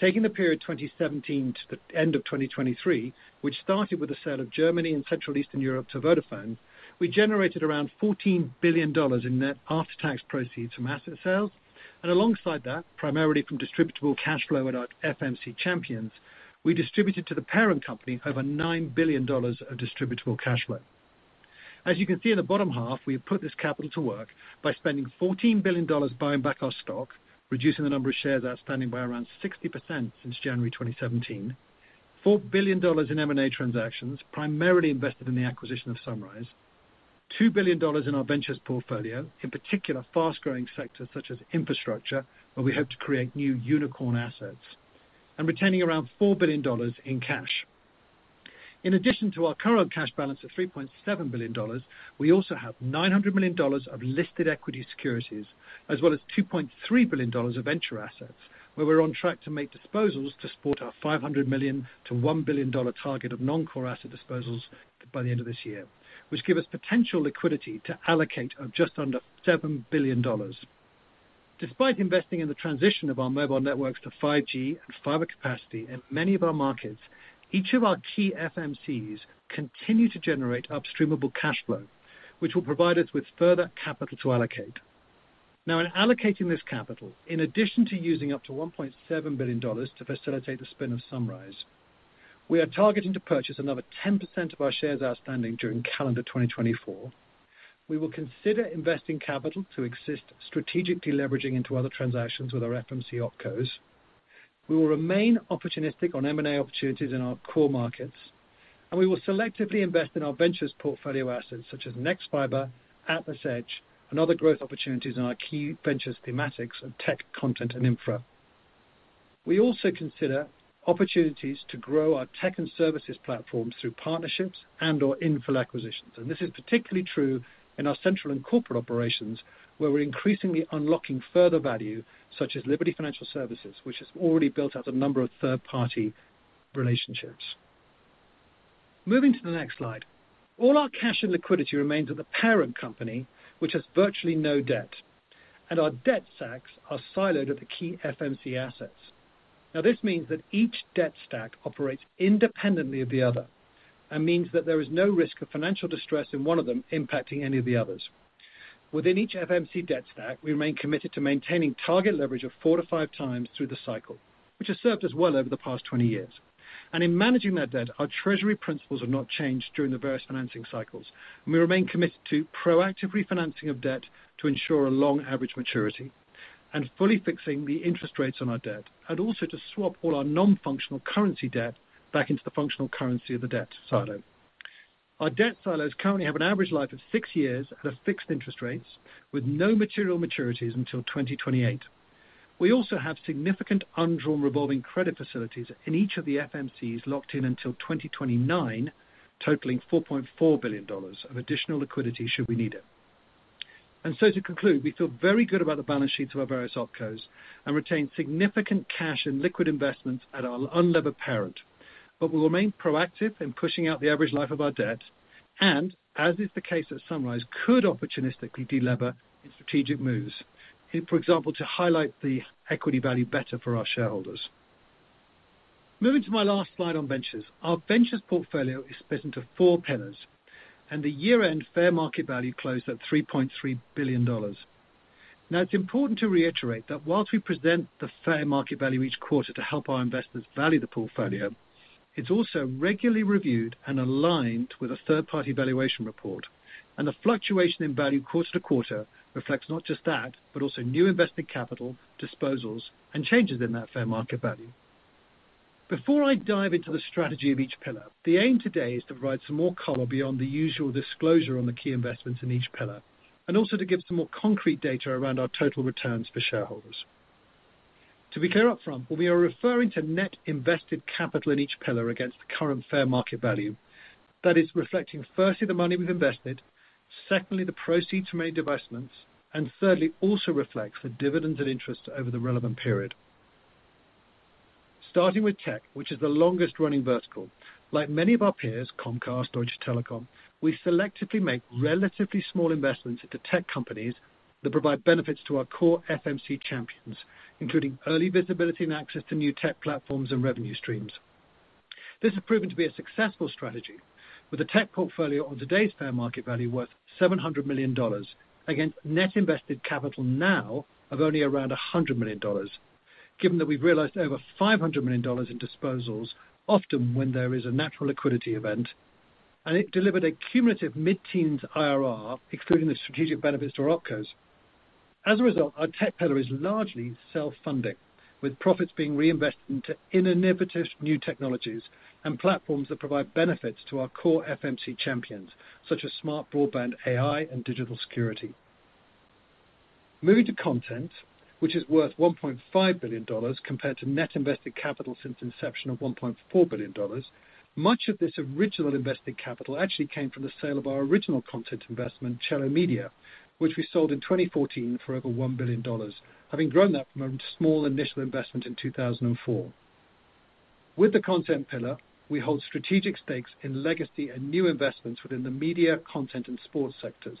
Taking the period 2017 to the end of 2023, which started with the sale of Germany and Central Eastern Europe to Vodafone, we generated around $14 billion in net after-tax proceeds from asset sales. And alongside that, primarily from distributable cash flow at our FMC champions, we distributed to the parent company over $9 billion of distributable cash flow. As you can see in the bottom half, we have put this capital to work by spending $14 billion buying back our stock, reducing the number of shares outstanding by around 60% since January 2017. $4 billion in M&A transactions, primarily invested in the acquisition of Sunrise. $2 billion in our ventures portfolio, in particular fast-growing sectors such as infrastructure where we hope to create new unicorn assets. And retaining around $4 billion in cash. In addition to our current cash balance of $3.7 billion, we also have $900 million of listed equity securities, as well as $2.3 billion of venture assets, where we're on track to make disposals to support our $500 million-$1 billion target of non-core asset disposals by the end of this year, which give us potential liquidity to allocate of just under $7 billion. Despite investing in the transition of our mobile networks to 5G and fiber capacity in many of our markets, each of our key FMCs continue to generate upstreamable cash flow, which will provide us with further capital to allocate. Now, in allocating this capital, in addition to using up to $1.7 billion to facilitate the spin of Sunrise, we are targeting to purchase another 10% of our shares outstanding during calendar 2024. We will consider investing capital to assist strategically leveraging into other transactions with our FMC OpCos. We will remain opportunistic on M&A opportunities in our core markets. We will selectively invest in our ventures portfolio assets such as nexfibre, AtlasEdge, and other growth opportunities in our key ventures thematics of tech, content, and infra. We also consider opportunities to grow our tech and services platform through partnerships and/or infra acquisitions. This is particularly true in our central and corporate operations, where we're increasingly unlocking further value such as Liberty Financial Services, which has already built out a number of third-party relationships. Moving to the next slide, all our cash and liquidity remains at the parent company, which has virtually no debt. Our debt stacks are siloed at the key FMC assets. Now, this means that each debt stack operates independently of the other and means that there is no risk of financial distress in one of them impacting any of the others. Within each FMC debt stack, we remain committed to maintaining target leverage of 4x-5x through the cycle, which has served us well over the past 20 years. In managing that debt, our treasury principles have not changed during the various financing cycles. And we remain committed to proactive financing of debt to ensure a long average maturity and fully fixing the interest rates on our debt, and also to swap all our non-functional currency debt back into the functional currency of the debt silo. Our debt silos currently have an average life of six years at fixed interest rates, with no material maturities until 2028. We also have significant undrawn revolving credit facilities in each of the FMCs locked in until 2029, totaling $4.4 billion of additional liquidity should we need it. And so to conclude, we feel very good about the balance sheets of our various OpCos and retain significant cash and liquid investments at our unlevered parent. We will remain proactive in pushing out the average life of our debt and, as is the case at Sunrise, could opportunistically delever in strategic moves, for example, to highlight the equity value better for our shareholders. Moving to my last slide on ventures, our ventures portfolio is split into four pillars. The year-end fair market value closed at $3.3 billion. Now, it's important to reiterate that while we present the fair market value each quarter to help our investors value the portfolio, it's also regularly reviewed and aligned with a third-party valuation report. The fluctuation in value quarter-to-quarter reflects not just that, but also new invested capital, disposals, and changes in that fair market value. Before I dive into the strategy of each pillar, the aim today is to provide some more color beyond the usual disclosure on the key investments in each pillar, and also to give some more concrete data around our total returns for shareholders. To be clear upfront, when we are referring to net invested capital in each pillar against the current fair market value, that is reflecting firstly the money we've invested, secondly the proceeds from any divestments, and thirdly also reflects the dividends and interest over the relevant period. Starting with tech, which is the longest running vertical, like many of our peers, Comcast, Deutsche Telekom, we selectively make relatively small investments into tech companies that provide benefits to our core FMC champions, including early visibility and access to new tech platforms and revenue streams. This has proven to be a successful strategy, with the tech portfolio on today's fair market value worth $700 million against net invested capital now of only around $100 million, given that we've realized over $500 million in disposals, often when there is a natural liquidity event, and it delivered a cumulative mid-teens IRR, including the strategic benefits to our OpCos. As a result, our tech pillar is largely self-funding, with profits being reinvested into innovative new technologies and platforms that provide benefits to our core FMC champions, such as smart broadband AI and digital security. Moving to content, which is worth $1.5 billion compared to net invested capital since inception of $1.4 billion, much of this original invested capital actually came from the sale of our original content investment, Chellomedia, which we sold in 2014 for over $1 billion, having grown that from a small initial investment in 2004. With the content pillar, we hold strategic stakes in legacy and new investments within the media, content, and sports sectors.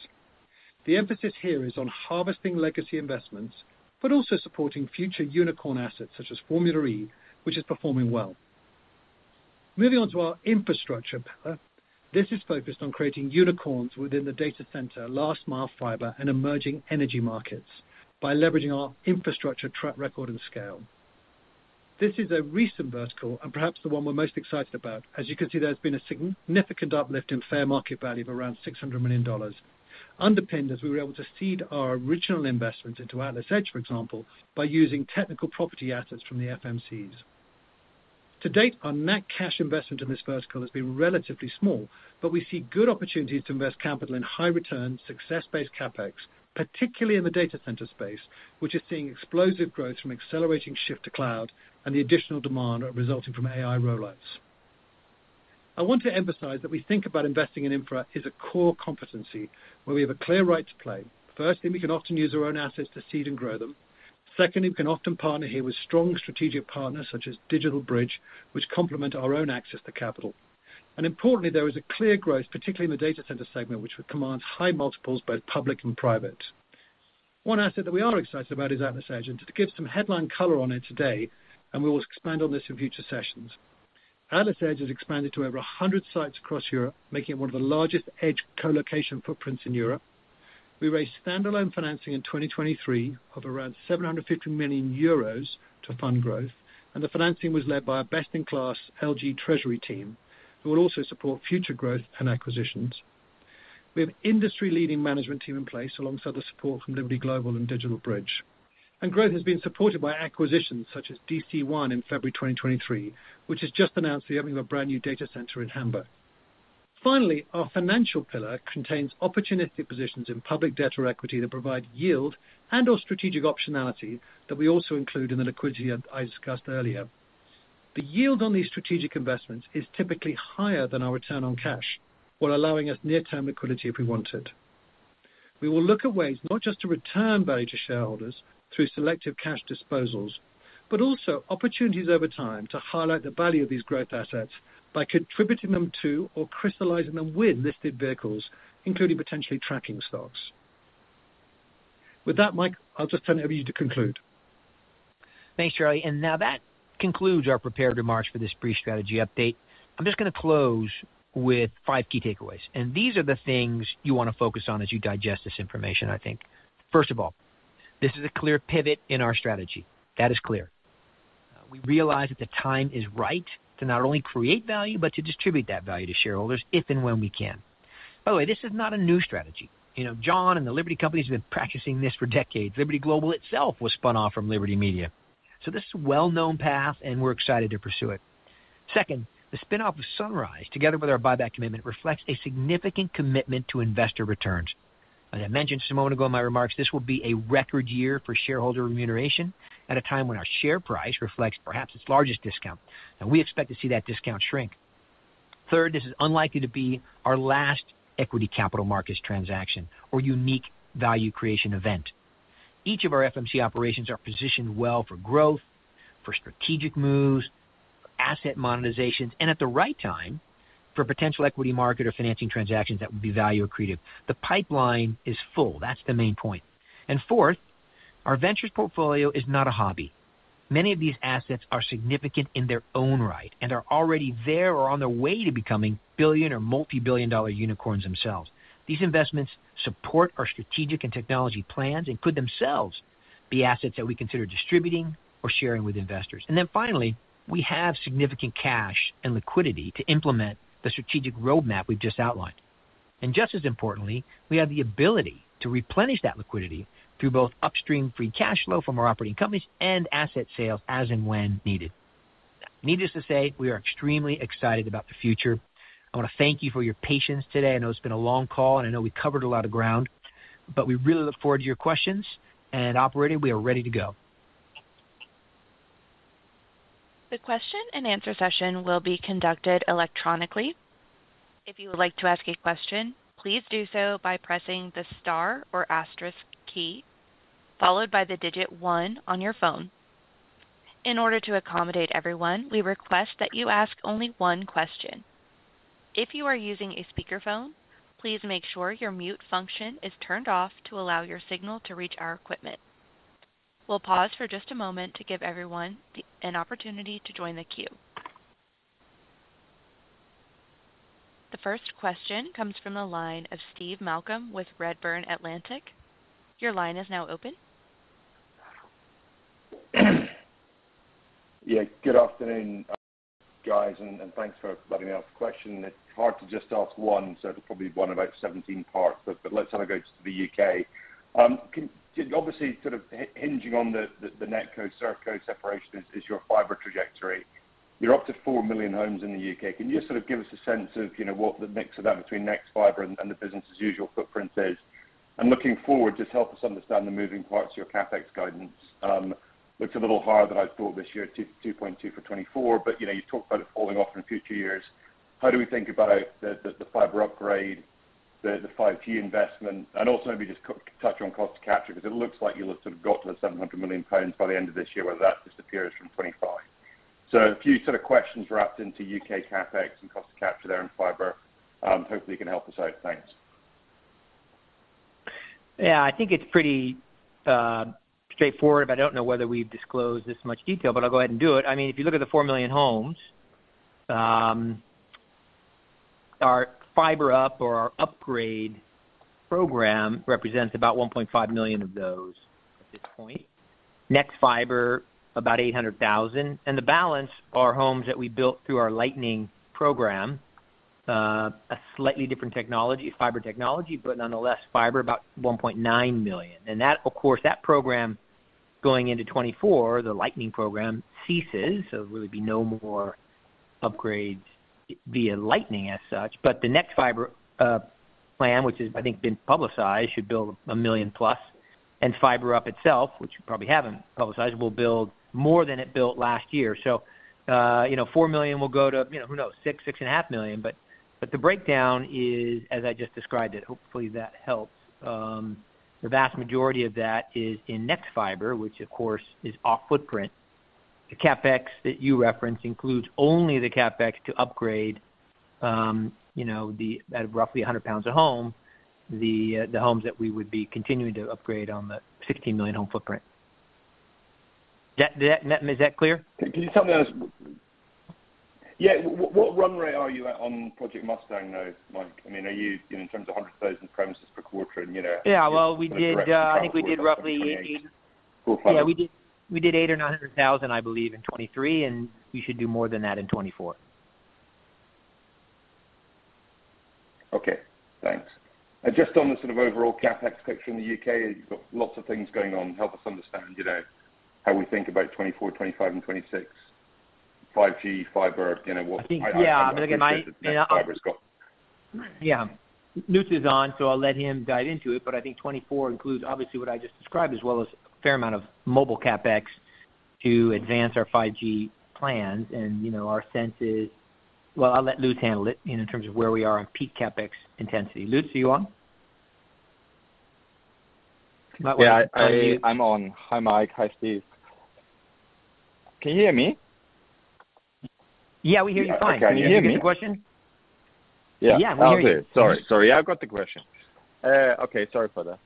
The emphasis here is on harvesting legacy investments, but also supporting future unicorn assets such as Formula E, which is performing well. Moving on to our infrastructure pillar, this is focused on creating unicorns within the data center, last-mile fiber, and emerging energy markets by leveraging our infrastructure track record and scale. This is a recent vertical and perhaps the one we're most excited about. As you can see, there's been a significant uplift in fair market value of around $600 million, underpinned as we were able to seed our original investments into AtlasEdge, for example, by using technical property assets from the FMCs. To date, our net cash investment in this vertical has been relatively small, but we see good opportunities to invest capital in high-return, success-based CapEx, particularly in the data center space, which is seeing explosive growth from accelerating shift to cloud and the additional demand resulting from AI rollouts. I want to emphasize that we think about investing in infra as a core competency where we have a clear right to play. Firstly, we can often use our own assets to seed and grow them. Secondly, we can often partner here with strong strategic partners such as DigitalBridge, which complement our own access to capital. Importantly, there is a clear growth, particularly in the data center segment, which commands high multiples, both public and private. One asset that we are excited about is AtlasEdge. To give some headline color on it today, and we will expand on this in future sessions, AtlasEdge has expanded to over 100 sites across Europe, making it one of the largest edge colocation footprints in Europe. We raised standalone financing in 2023 of around 750 million euros to fund growth. The financing was led by our best-in-class LG Treasury team, who will also support future growth and acquisitions. We have an industry-leading management team in place alongside the support from Liberty Global and DigitalBridge. Growth has been supported by acquisitions such as DC1 in February 2023, which has just announced the opening of a brand new data center in Hamburg. Finally, our financial pillar contains opportunistic positions in public debt or equity that provide yield and/or strategic optionality that we also include in the liquidity that I discussed earlier. The yield on these strategic investments is typically higher than our return on cash, while allowing us near-term liquidity if we want it. We will look at ways not just to return value to shareholders through selective cash disposals, but also opportunities over time to highlight the value of these growth assets by contributing them to or crystallizing them with listed vehicles, including potentially tracking stocks. With that, Mike, I'll just turn it over to you to conclude. Thanks, Charlie. Now that concludes our prepared remarks for this brief strategy update. I'm just going to close with five key takeaways. These are the things you want to focus on as you digest this information, I think. First of all, this is a clear pivot in our strategy. That is clear. We realize that the time is right to not only create value, but to distribute that value to shareholders if and when we can. By the way, this is not a new strategy. John and the Liberty companies have been practicing this for decades. Liberty Global itself was spun off from Liberty Media. This is a well-known path, and we're excited to pursue it. Second, the spin-off of Sunrise, together with our buyback commitment, reflects a significant commitment to investor returns. As I mentioned just a moment ago in my remarks, this will be a record year for shareholder remuneration at a time when our share price reflects perhaps its largest discount. We expect to see that discount shrink. Third, this is unlikely to be our last equity capital markets transaction or unique value creation event. Each of our FMC operations are positioned well for growth, for strategic moves, asset monetizations, and at the right time for potential equity market or financing transactions that would be value accretive. The pipeline is full. That's the main point. Fourth, our ventures portfolio is not a hobby. Many of these assets are significant in their own right and are already there or on their way to becoming billion or multi-billion dollar unicorns themselves. These investments support our strategic and technology plans and could themselves be assets that we consider distributing or sharing with investors. And then finally, we have significant cash and liquidity to implement the strategic roadmap we've just outlined. And just as importantly, we have the ability to replenish that liquidity through both upstream free cash flow from our operating companies and asset sales as and when needed. Needless to say, we are extremely excited about the future. I want to thank you for your patience today. I know it's been a long call, and I know we covered a lot of ground. But we really look forward to your questions. And, operator, we are ready to go. The question and answer session will be conducted electronically. If you would like to ask a question, please do so by pressing the star or asterisk key, followed by the digit one on your phone. In order to accommodate everyone, we request that you ask only one question. If you are using a speakerphone, please make sure your mute function is turned off to allow your signal to reach our equipment. We'll pause for just a moment to give everyone an opportunity to join the queue. The first question comes from the line of Steve Malcolm with Redburn Atlantic. Your line is now open. Yeah. Good afternoon, guys. Thanks for letting me ask the question. It's hard to just ask one, so it'll probably be one of about 17 parts. Let's have a go to the U.K. Obviously, sort of hinging on the NetCo, ServCo separation is your fiber trajectory. You're up to 4 million homes in the U.K. Can you just sort of give us a sense of what the mix of that between nexfibre and the business-as-usual footprint is? And looking forward, just help us understand the moving parts of your CapEx guidance. Looks a little higher than I'd thought this year, $2.2 billion for 2024. You talked about it falling off in future years. How do we think about the fiber upgrade, the 5G investment? And also maybe just touch on cost of capture because it looks like you'll have sort of got to the 700 million pounds by the end of this year, whether that disappears from 2025. So a few sort of questions wrapped into U.K. CapEx and cost of capture there in fiber. Hopefully, you can help us out. Thanks. Yeah. I think it's pretty straightforward, but I don't know whether we've disclosed this much detail. But I'll go ahead and do it. I mean, if you look at the 4 million homes, our Fibre Up or our upgrade program represents about 1.5 million of those at this point. Nexfibre, about 800,000. And the balance are homes that we built through our Lightning program, a slightly different technology, fiber technology, but nonetheless, fiber, about 1.9 million. And of course, that program going into 2024, the Lightning program, ceases. So there will be no more upgrades via Lightning as such. But the nexfibre plan, which has I think been publicized, should build a million-plus. And Fibre Up itself, which probably hasn't publicized, will build more than it built last year. So 4 million will go to, who knows, 6 million-6.5 million. The breakdown is, as I just described it, hopefully that helps, the vast majority of that is in nexfibre, which, of course, is off footprint. The CapEx that you referenced includes only the CapEx to upgrade out of roughly 100 pounds a home, the homes that we would be continuing to upgrade on the 16 million home footprint. Is that clear? Can you tell me what run rate are you at on Project Mustang, though, Mike? I mean, are you in terms of 100,000 premises per quarter, and you know? Yeah. Well, I think we did roughly 8— Yeah. We did 800,000 or 900,000, I believe, in 2023. We should do more than that in 2024. Okay. Thanks. Just on the sort of overall CapEx picture in the U.K., you've got lots of things going on. Help us understand how we think about 2024, 2025, and 2026, 5G, fiber, Yeah. Lutz is on, so I'll let him dive into it. But I think 2024 includes, obviously, what I just described, as well as a fair amount of mobile CapEx to advance our 5G plans. And our sense is well, I'll let Lutz handle it in terms of where we are on peak CapEx intensity. Lutz, are you on? Yeah. I'm on. Hi, Mike. Hi, Steve. Can you hear me? Yeah. We hear you fine. question? Sorry. Sorry. I've got the question. Okay. Sorry for that.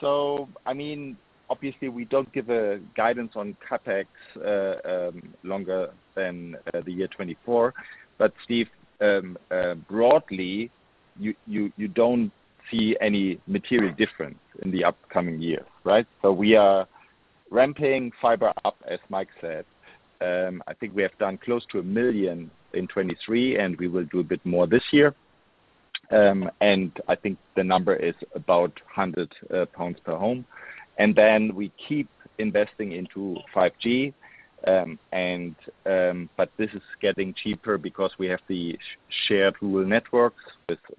So I mean, obviously, we don't give guidance on CapEx longer than the year 2024. But Steve, broadly, you don't see any material difference in the upcoming year, right? So we are ramping Fibre Up, as Mike said. I think we have done close to 1 million in 2023, and we will do a bit more this year. And I think the number is about 100 pounds per home. And then we keep investing into 5G. But this is getting cheaper because we have the shared rural networks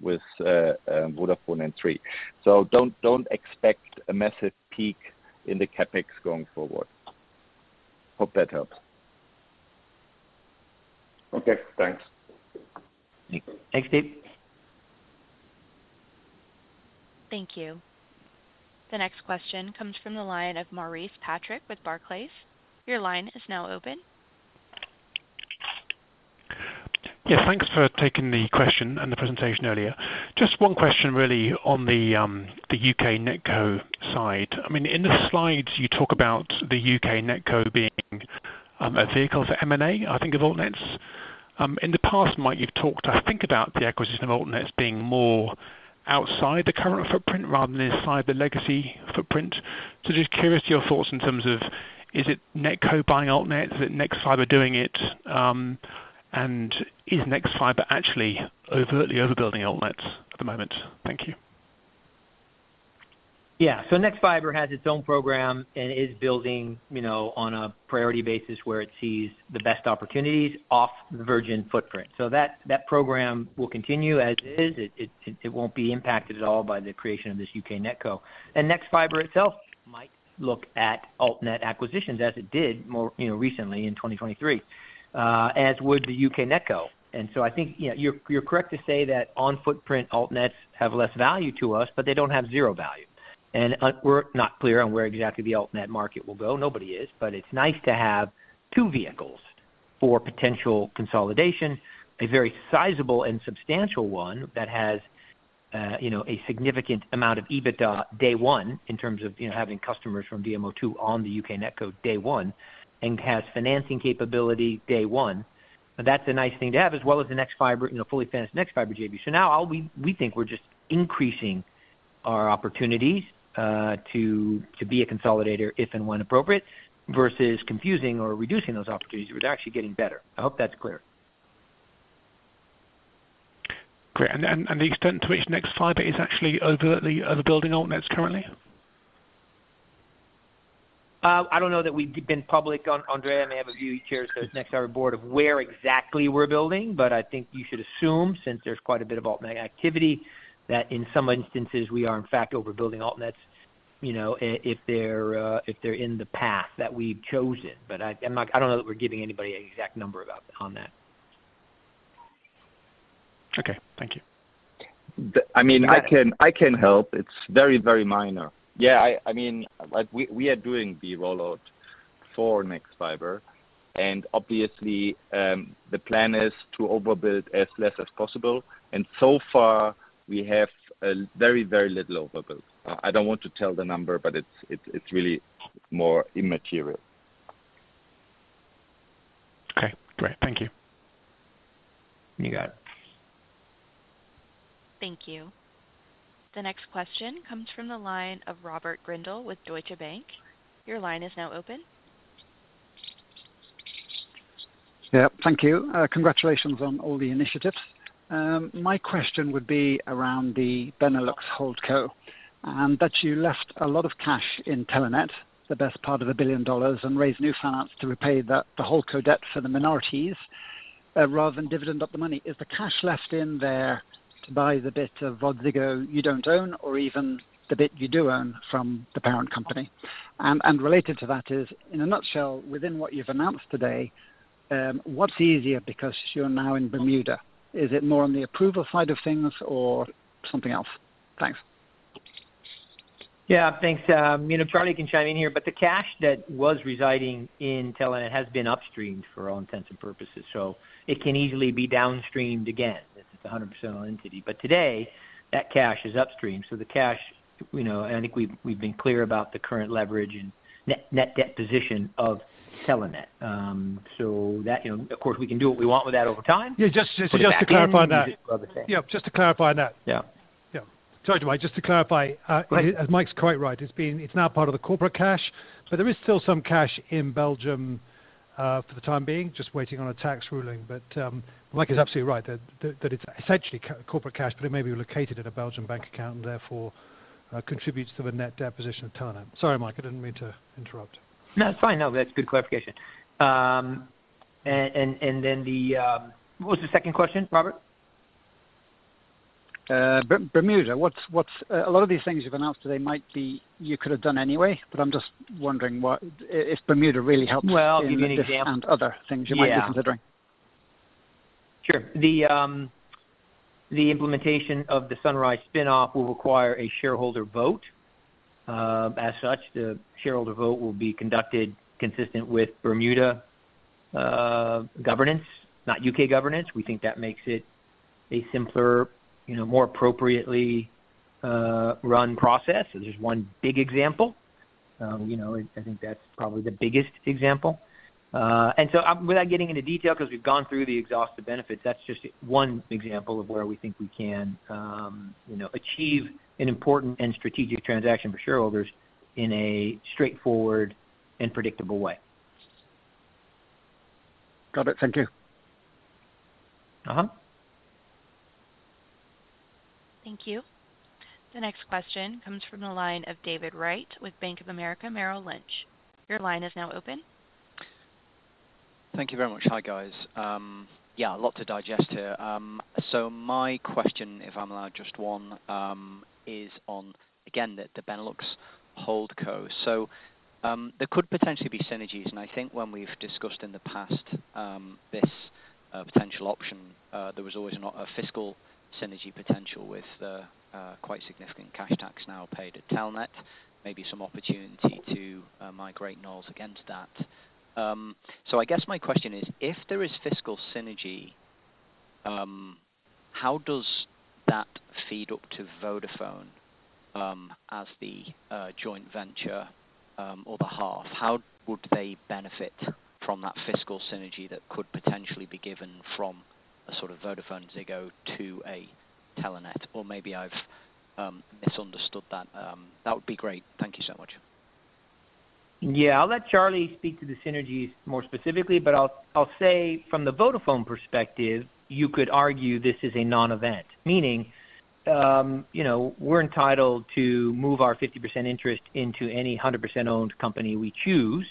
with Vodafone and Three. So don't expect a massive peak in the CapEx going forward. Hope that helps. Okay. Thanks. Thanks, Steve. Thank you. The next question comes from the line of Maurice Patrick with Barclays. Your line is now open. Yeah. Thanks for taking the question and the presentation earlier. Just one question, really, on the U.K. NetCo side. I mean, in the slides, you talk about the U.K. NetCo being a vehicle for M&A, I think, of altnets. In the past, Mike, you've talked, I think, about the acquisition of altnets being more outside the current footprint rather than inside the legacy footprint. So just curious your thoughts in terms of, is it NetCo buying altnets? Is it nexfibre doing it? And is nexfibre actually overtly overbuilding altnets at the moment? Thank you. Yeah. So nexfibre has its own program and is building on a priority basis where it sees the best opportunities off the Virgin footprint. So that program will continue as is. It won't be impacted at all by the creation of this U.K. NetCo. And nexfibre itself might look at altnet acquisitions as it did recently in 2023, as would the U.K. NetCo. And so I think you're correct to say that on footprint, altnets have less value to us, but they don't have zero value. And we're not clear on where exactly the altnet market will go. Nobody is. But it's nice to have two vehicles for potential consolidation, a very sizable and substantial one that has a significant amount of EBITDA day one in terms of having customers from VMO2 on the U.K. NetCo day one and has financing capability day one. That's a nice thing to have, as well as the nexfibre, fully financed nexfibre JV. So now we think we're just increasing our opportunities to be a consolidator if and when appropriate versus confusing or reducing those opportunities. We're actually getting better. I hope that's clear. Great. And the extent to which nexfibre is actually overtly overbuilding altnets currently? I don't know that we've been public. Andrea, I may have a view here as the nexfibre board of where exactly we're building. But I think you should assume, since there's quite a bit of altnet activity, that in some instances, we are, in fact, overbuilding altnets if they're in the path that we've chosen. But I don't know that we're giving anybody an exact number on that. Okay. Thank you. I mean, I can help. It's very, very minor. Yeah. I mean, we are doing the rollout for nexfibre. And obviously, the plan is to overbuild as less as possible. And so far, we have very, very little overbuilt. I don't want to tell the number, but it's really more immaterial. Okay. Great. Thank you. You got it. Thank you. The next question comes from the line of Robert Grindle with Deutsche Bank. Your line is now open. Yep. Thank you. Congratulations on all the initiatives. My question would be around the Benelux holdco that you left a lot of cash in Telenet, the best part of $1 billion, and raised new finance to repay the holdco debt for the minorities rather than dividend up the money. Is the cash left in there to buy the bit of VodZiggo you don't own or even the bit you do own from the parent company? And related to that is, in a nutshell, within what you've announced today, what's easier because you're now in Bermuda? Is it more on the approval side of things or something else? Thanks. Yeah. Thanks. Charlie can chime in here. But the cash that was residing in Telenet has been upstreamed for all intents and purposes. So it can easily be downstreamed again. It's a 100% entity. But today, that cash is upstream. So the cash and I think we've been clear about the current leverage and net debt position of Telenet. So of course, we can do what we want with that over time. Yeah. Just to clarify that, sorry, Mike, as Mike's quite right, it's now part of the corporate cash. But there is still some cash in Belgium for the time being, just waiting on a tax ruling. But Mike is absolutely right that it's essentially corporate cash, but it may be located in a Belgian bank account and therefore contributes to the net debt position of Telenet. Sorry, Mike. I didn't mean to interrupt. No. It's fine. No. That's good clarification. And then, what was the second question, Robert? Bermuda. A lot of these things you've announced today might be you could have done anyway. But I'm just wondering if Bermuda really helps with this and other things you might be considering? Sure. The implementation of the Sunrise spinoff will require a shareholder vote. As such, the shareholder vote will be conducted consistent with Bermuda governance, not U.K. governance. We think that makes it a simpler, more appropriately run process. So there's one big example. I think that's probably the biggest example. And so without getting into detail because we've gone through the exhaustive benefits, that's just one example of where we think we can achieve an important and strategic transaction for shareholders in a straightforward and predictable way. Got it. Thank you. Thank you. The next question comes from the line of David Wright with Bank of America Merrill Lynch. Your line is now open. Thank you very much. Hi, guys. Yeah. A lot to digest here. My question, if I'm allowed, just one, is on, again, the Benelux holdco. There could potentially be synergies. I think when we've discussed in the past this potential option, there was always a fiscal synergy potential with the quite significant cash tax now paid at Telenet, maybe some opportunity to migrate knowledge against that. I guess my question is, if there is fiscal synergy, how does that feed up to Vodafone as the joint venture or the half? How would they benefit from that fiscal synergy that could potentially be given from a sort of VodafoneZiggo to a Telenet? Or maybe I've misunderstood that. That would be great. Thank you so much. Yeah. I'll let Charlie speak to the synergies more specifically. But I'll say, from the Vodafone perspective, you could argue this is a non-event, meaning we're entitled to move our 50% interest into any 100% owned company we choose.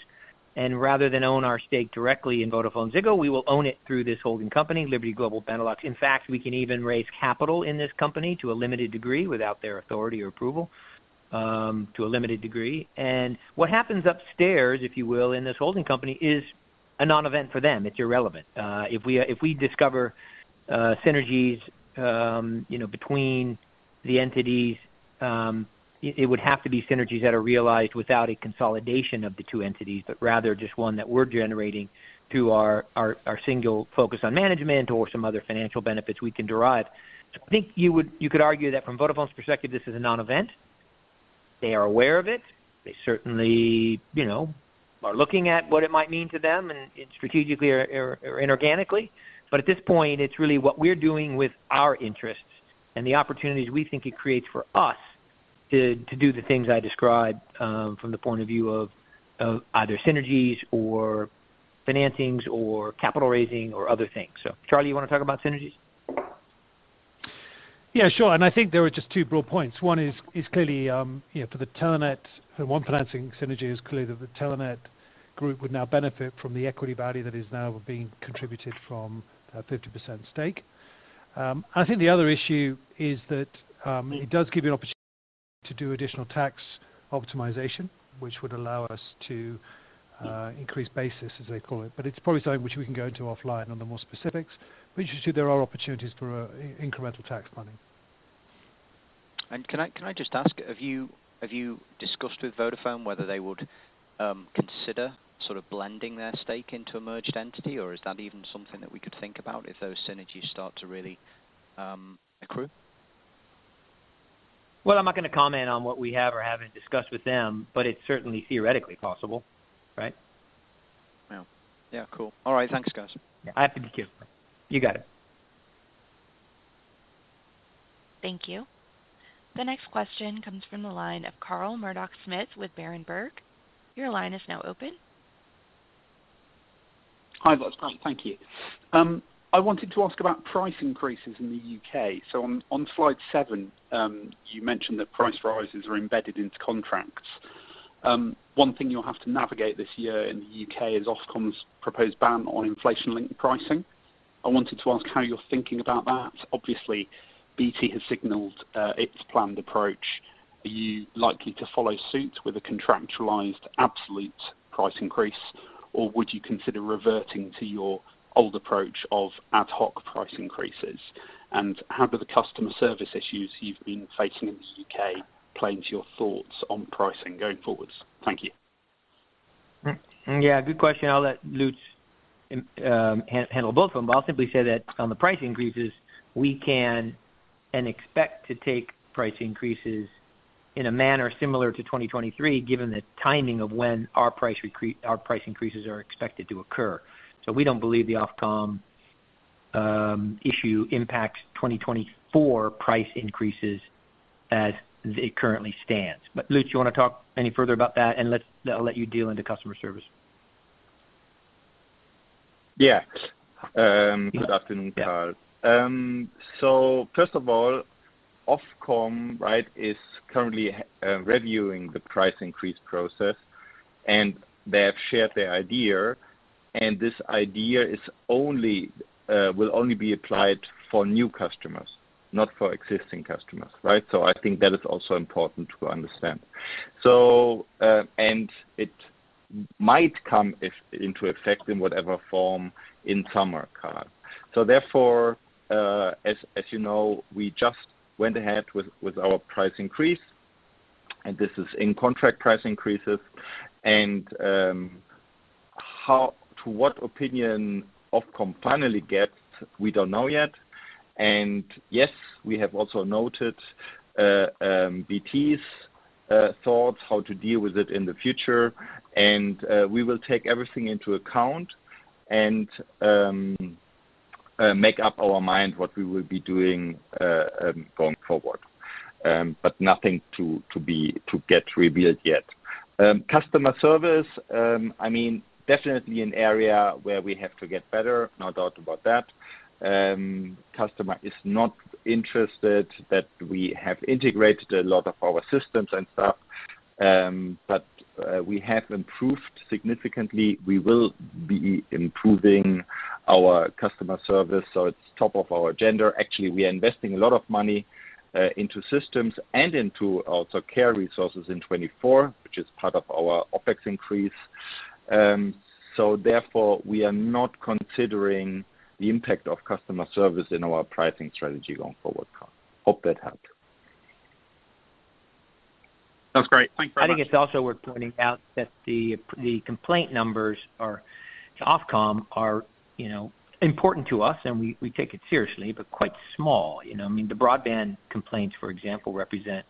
And rather than own our stake directly in VodafoneZiggo, we will own it through this holding company, Liberty Global Benelux. In fact, we can even raise capital in this company to a limited degree without their authority or approval, to a limited degree. And what happens upstairs, if you will, in this holding company is a non-event for them. It's irrelevant. If we discover synergies between the entities, it would have to be synergies that are realized without a consolidation of the two entities, but rather just one that we're generating through our single focus on management or some other financial benefits we can derive. I think you could argue that from Vodafone's perspective, this is a non-event. They are aware of it. They certainly are looking at what it might mean to them strategically or inorganically. But at this point, it's really what we're doing with our interests and the opportunities we think it creates for us to do the things I described from the point of view of either synergies or financings or capital raising or other things. Charlie, you want to talk about synergies? Yeah. Sure. And I think there were just two broad points. One is clearly, for the Telenet JV financing synergy, it's clear that the Telenet group would now benefit from the equity value that is now being contributed from that 50% stake. I think the other issue is that it does give you an opportunity to do additional tax optimization, which would allow us to increase basis, as they call it. But it's probably something which we can go into offline on the more specifics, which is too there are opportunities for incremental tax funding. Can I just ask, have you discussed with Vodafone whether they would consider sort of blending their stake into a merged entity? Or is that even something that we could think about if those synergies start to really accrue? Well, I'm not going to comment on what we have or haven't discussed with them, but it's certainly theoretically possible, right? Yeah. Yeah. Cool. All right. Thanks, guys. You got it. Thank you. The next question comes from the line of Carl Murdock-Smith with Berenberg. Your line is now open. Hi, that's great. Thank you. I wanted to ask about price increases in the U.K. On slide seven, you mentioned that price rises are embedded into contracts. One thing you'll have to navigate this year in the U.K. is Ofcom's proposed ban on inflation-linked pricing. I wanted to ask how you're thinking about that. Obviously, BT has signaled its planned approach. Are you likely to follow suit with a contractualized absolute price increase? Or would you consider reverting to your old approach of ad hoc price increases? And how do the customer service issues you've been facing in the U.K. play into your thoughts on pricing going forwards? Thank you. Yeah. Good question. I'll let Lutz handle both of them. But I'll simply say that on the price increases, we can and expect to take price increases in a manner similar to 2023 given the timing of when our price increases are expected to occur. So we don't believe the Ofcom issue impacts 2024 price increases as it currently stands. But Lutz, you want to talk any further about that? And I'll let you deal into customer service. Yeah. Good afternoon, Carl. So first of all, Ofcom, right, is currently reviewing the price increase process. And they have shared their idea. And this idea will only be applied for new customers, not for existing customers, right? So I think that is also important to understand. And it might come into effect in whatever form in summer, Carl. So therefore, as you know, we just went ahead with our price increase. And this is in contract price increases. And to what opinion Ofcom finally gets, we don't know yet. And yes, we have also noted BT's thoughts, how to deal with it in the future. And we will take everything into account and make up our mind what we will be doing going forward. But nothing to get revealed yet. Customer service, I mean, definitely an area where we have to get better. No doubt about that. Customer is not interested that we have integrated a lot of our systems and stuff. But we have improved significantly. We will be improving our customer service. So it's top of our agenda. Actually, we are investing a lot of money into systems and into also care resources in 2024, which is part of our OpEx increase. So therefore, we are not considering the impact of customer service in our pricing strategy going forward, Carl. Hope that helped. That's great. Thanks very much. I think it's also worth pointing out that the complaint numbers to Ofcom are important to us. We take it seriously, but quite small. I mean, the broadband complaints, for example, represent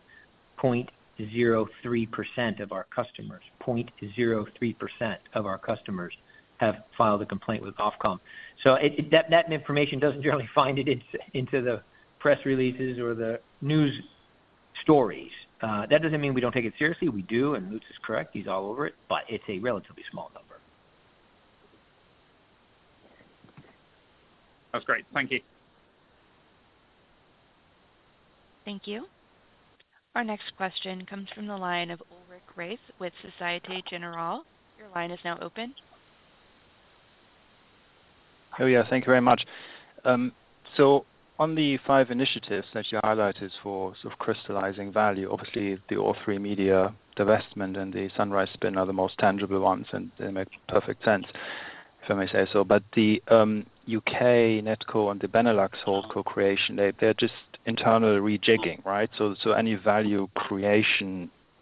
0.03% of our customers. 0.03% of our customers have filed a complaint with Ofcom. That information doesn't generally find it into the press releases or the news stories. That doesn't mean we don't take it seriously. We do. Lutz is correct. He's all over it. It's a relatively small number. That's great. Thank you. Thank you. Our next question comes from the line of Ulrich Rathe with Société Générale. Your line is now open. Hello, yeah. Thank you very much. So on the five initiatives that you highlighted for sort of crystallizing value, obviously, the All3Media, the divestment, and the Sunrise spin are the most tangible ones. And they make perfect sense, if I may say so. But the U.K. NetCo and the Benelux holdco creation, they're just internal rejigging, right? So any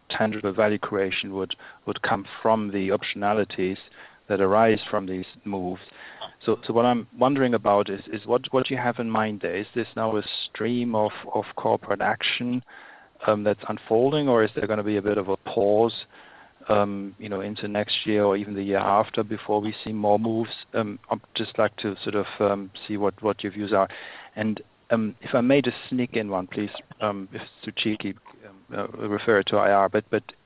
tangible value creation would come from the optionalities that arise from these moves. So what I'm wondering about is what do you have in mind there? Is this now a stream of corporate action that's unfolding? Or is there going to be a bit of a pause into next year or even the year after before we see more moves? I'd just like to sort of see what your views are. And if I may just sneak in one, please, if it's too cheeky, refer it to IR. But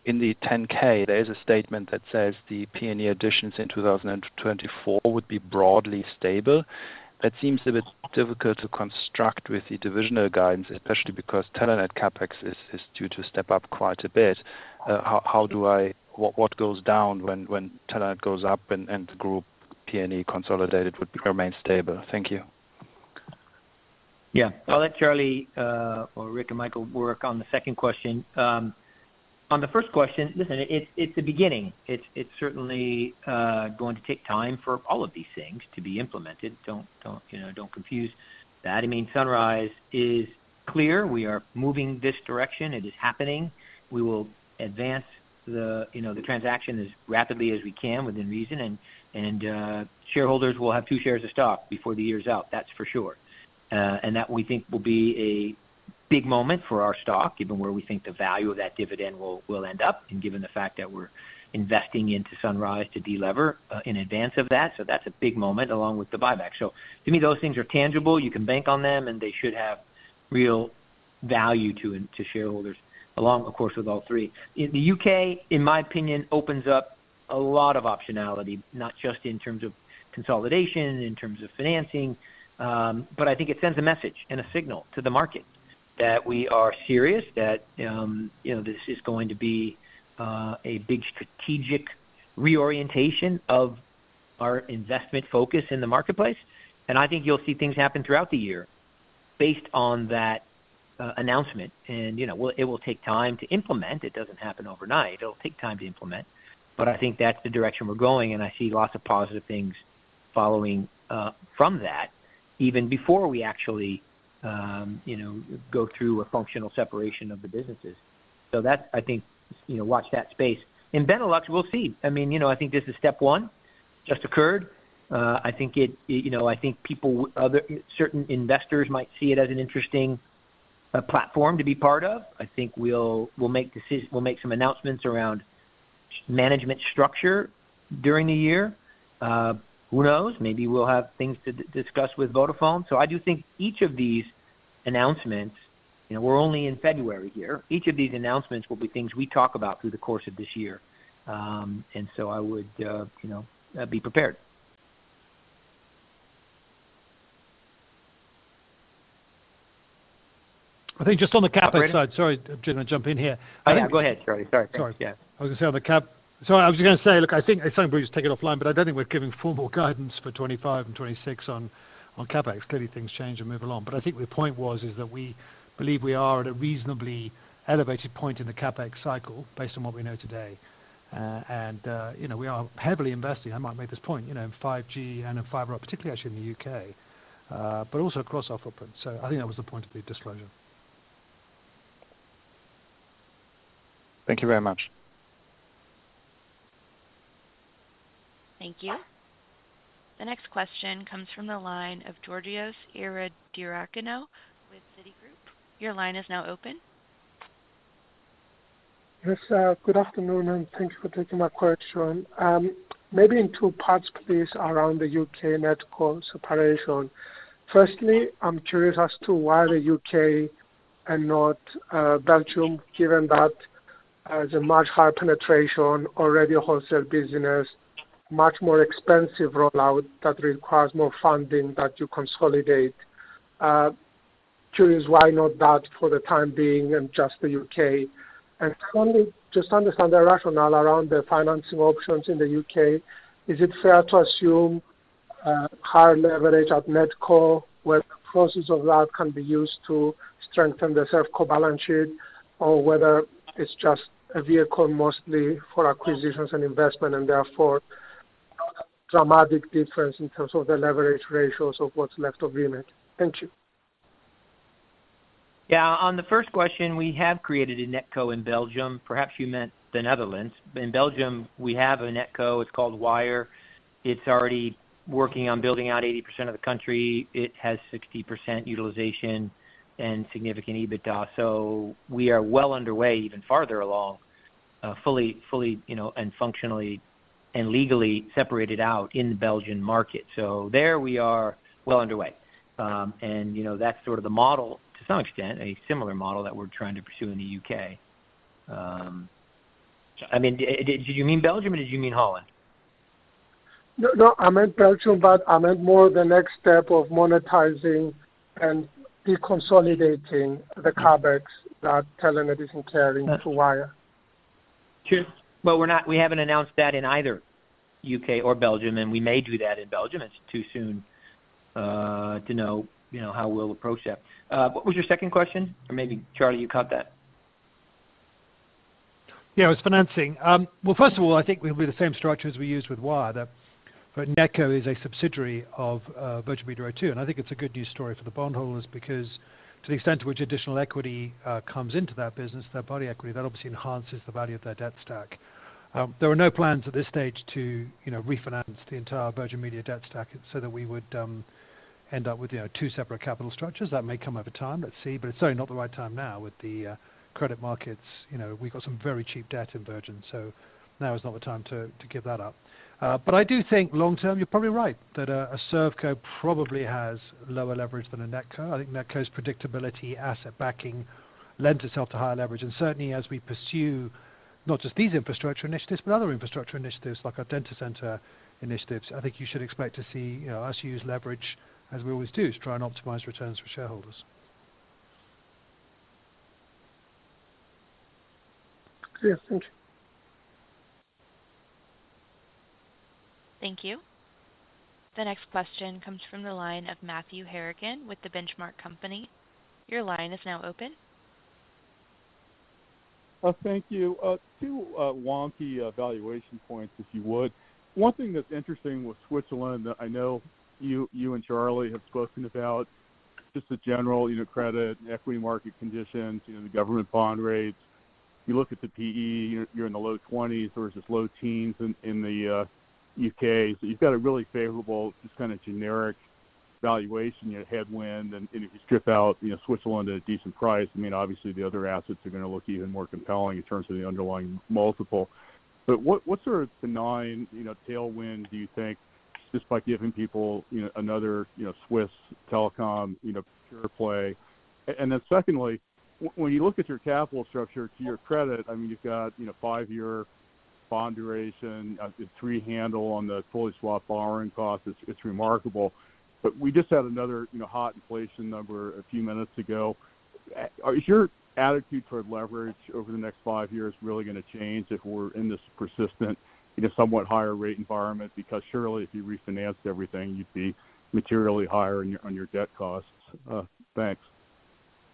in the 10-K, there is a statement that says the P&E additions in 2024 would be broadly stable. That seems a bit difficult to construct with the divisional guidance, especially because Telenet CapEx is due to step up quite a bit. What goes down when Telenet goes up and the group P&E consolidated would remain stable? Thank you. Yeah. I'll let Charlie or Rick and Michael work on the second question. On the first question, listen, it's the beginning. It's certainly going to take time for all of these things to be implemented. Don't confuse that. I mean, Sunrise is clear. We are moving this direction. It is happening. We will advance the transaction as rapidly as we can within reason. And shareholders will have two shares of stock before the year's out. That's for sure. And that we think will be a big moment for our stock, given where we think the value of that dividend will end up and given the fact that we're investing into Sunrise to de-lever in advance of that. So that's a big moment along with the buyback. So to me, those things are tangible. You can bank on them. And they should have real value to shareholders, of course, with all three. The U.K., in my opinion, opens up a lot of optionality, not just in terms of consolidation, in terms of financing. But I think it sends a message and a signal to the market that we are serious, that this is going to be a big strategic reorientation of our investment focus in the marketplace. And I think you'll see things happen throughout the year based on that announcement. And it will take time to implement. It doesn't happen overnight. It'll take time to implement. But I think that's the direction we're going. And I see lots of positive things following from that even before we actually go through a functional separation of the businesses. So I think watch that space. And Benelux, we'll see. I mean, I think this is step one. Just occurred. I think people, certain investors, might see it as an interesting platform to be part of. I think we'll make some announcements around management structure during the year. Who knows? Maybe we'll have things to discuss with Vodafone. So I do think each of these announcements. We're only in February here. Each of these announcements will be things we talk about through the course of this year. And so I would be prepared. I think just on the CapEx side, sorry. I'm just going to jump in here. Yeah. Go ahead, Charlie. Sorry. Sorry, I was just going to say, look, I think it's something we've just taken offline. But I don't think we're giving formal guidance for 2025 and 2026 on CapEx. Clearly, things change and move along. But I think the point was is that we believe we are at a reasonably elevated point in the CapEx cycle based on what we know today. And we are heavily investing. I might make this point in 5G and in fiber, particularly actually in the U.K., but also across our footprint. So I think that was the point of the disclosure. Thank you very much. Thank you. The next question comes from the line of Georgios Ierodiaconou with Citigroup. Your line is now open. Yes. Good afternoon. And thanks for taking my question. Maybe in two parts, please, around the U.K. NetCo separation. Firstly, I'm curious as to why the U.K. and not Belgium, given that there's a much higher penetration, already a wholesale business, much more expensive rollout that requires more funding that you consolidate. Curious why not that for the time being and just the U.K.? And just to understand the rationale around the financing options in the U.K., is it fair to assume higher leverage at NetCo where the proceeds of that can be used to strengthen the ServCo balance sheet or whether it's just a vehicle mostly for acquisitions and investment and therefore dramatic difference in terms of the leverage ratios of what's left of agreement? Thank you. Yeah. On the first question, we have created a NetCo in Belgium. Perhaps you meant the Netherlands. In Belgium, we have a NetCo. It's called Wyre. It's already working on building out 80% of the country. It has 60% utilization and significant EBITDA. So we are well underway, even farther along, fully and functionally and legally separated out in the Belgian market. So there, we are well underway. And that's sort of the model to some extent, a similar model that we're trying to pursue in the U.K. I mean, did you mean Belgium or did you mean Holland? No. No. I meant Belgium. But I meant more the next step of monetizing and deconsolidating the CapEx that Telenet is incurring to Wyre. Sure. Well, we haven't announced that in either U.K. or Belgium. We may do that in Belgium. It's too soon to know how we'll approach that. What was your second question? Or maybe, Charlie, you caught that. Yeah. It was financing. Well, first of all, I think we'll be the same structure as we used with Wyre. NetCo is a subsidiary of Virgin Media O2. And I think it's a good news story for the bondholders because to the extent to which additional equity comes into that business, their bond equity, that obviously enhances the value of their debt stack. There are no plans at this stage to refinance the entire Virgin Media debt stack so that we would end up with two separate capital structures. That may come over time. Let's see. But it's certainly not the right time now with the credit markets. We've got some very cheap debt in Virgin. So now is not the time to give that up. But I do think long-term, you're probably right that a ServCo probably has lower leverage than a NetCo. I think NetCo's predictability, asset backing lends itself to higher leverage. Certainly, as we pursue not just these infrastructure initiatives but other infrastructure initiatives like our data center initiatives, I think you should expect to see us use leverage as we always do to try and optimize returns for shareholders. Yes. Thank you. Thank you. The next question comes from the line of Matthew Harrigan with The Benchmark Company. Your line is now open. Thank you. Two wonky valuation points, if you would. One thing that's interesting with Switzerland that I know you and Charlie have spoken about, just the general credit and equity market conditions, the government bond rates. You look at the PE, you're in the low 20s versus low teens in the U.K. So you've got a really favorable, just kind of generic valuation, headwind. And if you strip out Switzerland at a decent price, I mean, obviously, the other assets are going to look even more compelling in terms of the underlying multiple. But what sort of benign tailwind do you think just by giving people another Swiss telecom pure play? And then secondly, when you look at your capital structure to your credit, I mean, you've got five-year bond duration. It's three-handle on the fully swap borrowing cost. It's remarkable. But we just had another hot inflation number a few minutes ago. Is your attitude toward leverage over the next five years really going to change if we're in this persistent, somewhat higher-rate environment? Because surely, if you refinanced everything, you'd be materially higher on your debt costs. Thanks.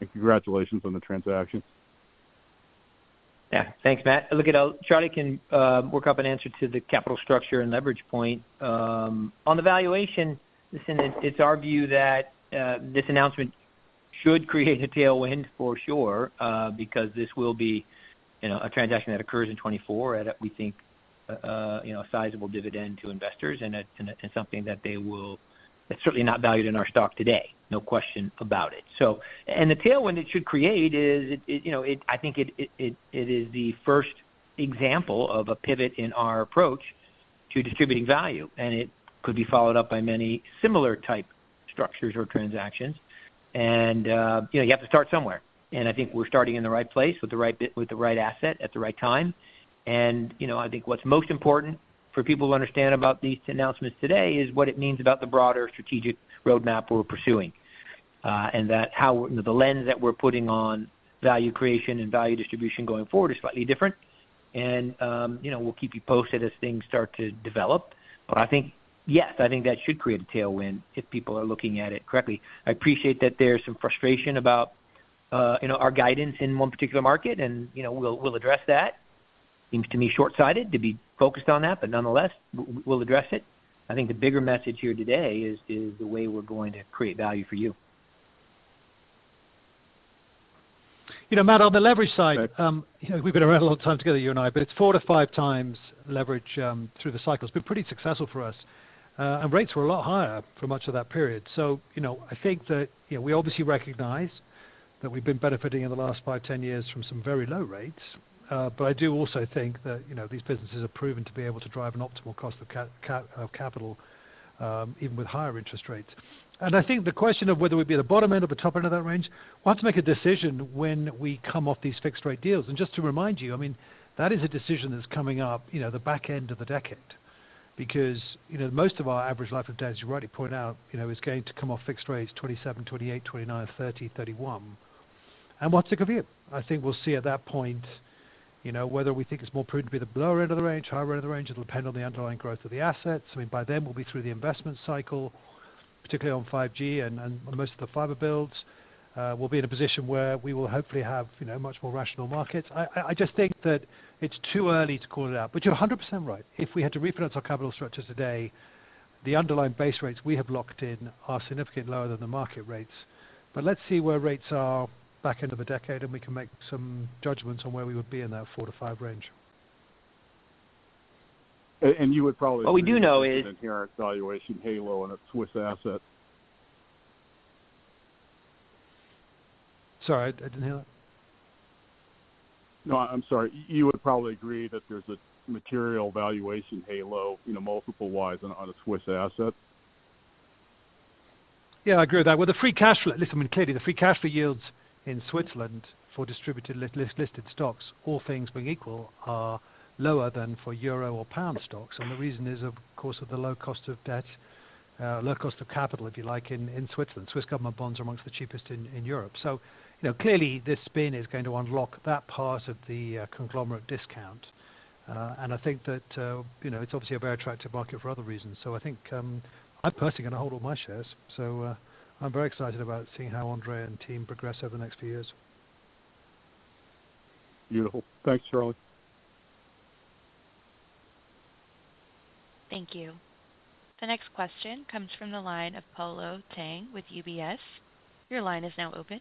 And congratulations on the transaction. Yeah. Thanks, Matt. Look, Charlie can work up an answer to the capital structure and leverage point. On the valuation, listen, it's our view that this announcement should create a tailwind for sure because this will be a transaction that occurs in 2024 at, we think, a sizable dividend to investors and something that they will that's certainly not valued in our stock today. No question about it. And the tailwind it should create is I think it is the first example of a pivot in our approach to distributing value. And it could be followed up by many similar type structures or transactions. And you have to start somewhere. And I think we're starting in the right place with the right asset at the right time. I think what's most important for people to understand about these announcements today is what it means about the broader strategic roadmap we're pursuing and how the lens that we're putting on value creation and value distribution going forward is slightly different. We'll keep you posted as things start to develop. But yes, I think that should create a tailwind if people are looking at it correctly. I appreciate that there's some frustration about our guidance in one particular market. We'll address that. It seems to me shortsighted to be focused on that. But nonetheless, we'll address it. I think the bigger message here today is the way we're going to create value for you. Matt, on the leverage side, we've been around a lot of time together, you and I. But it's 4x-5x leverage through the cycle. It's been pretty successful for us. And rates were a lot higher for much of that period. So I think that we obviously recognize that we've been benefiting in the last five, 10 years from some very low rates. But I do also think that these businesses have proven to be able to drive an optimal cost of capital even with higher interest rates. And I think the question of whether we'd be at the bottom end or the top end of that range, we'll have to make a decision when we come off these fixed-rate deals. Just to remind you, I mean, that is a decision that's coming up the back end of the decade because most of our average life of debt, as you rightly point out, is going to come off fixed rates 2027, 2028, 2029, 2030, 2031. And what's the good view? I think we'll see at that point whether we think it's more prudent to be at the lower end of the range, higher end of the range. It'll depend on the underlying growth of the assets. I mean, by then, we'll be through the investment cycle, particularly on 5G and most of the fiber builds. We'll be in a position where we will hopefully have much more rational markets. I just think that it's too early to call it out. But you're 100% right. If we had to refinance our capital structure today, the underlying base rates we have locked in are significantly lower than the market rates. But let's see where rates are back end of the decade. We can make some judgments on where we would be in that 4-5 range. You would probably valuation halo on a Swiss asset. Sorry. I didn't hear that. No. I'm sorry. You would probably agree that there's a material valuation halo multiple-wise on a Swiss asset? Yeah. I agree with that. Well, the free cash flow listen, I mean, clearly, the free cash flow yields in Switzerland for distributed listed stocks, all things being equal, are lower than for euro or pound stocks. And the reason is, of course, with the low cost of debt, low cost of capital, if you like, in Switzerland. Swiss government bonds are among the cheapest in Europe. So clearly, this spin is going to unlock that part of the conglomerate discount. And I think that it's obviously a very attractive market for other reasons. So I think I'm personally going to hold all my shares. So I'm very excited about seeing how André and team progress over the next few years. Beautiful. Thanks, Charlie. Thank you. The next question comes from the line of Polo Tang with UBS. Your line is now open.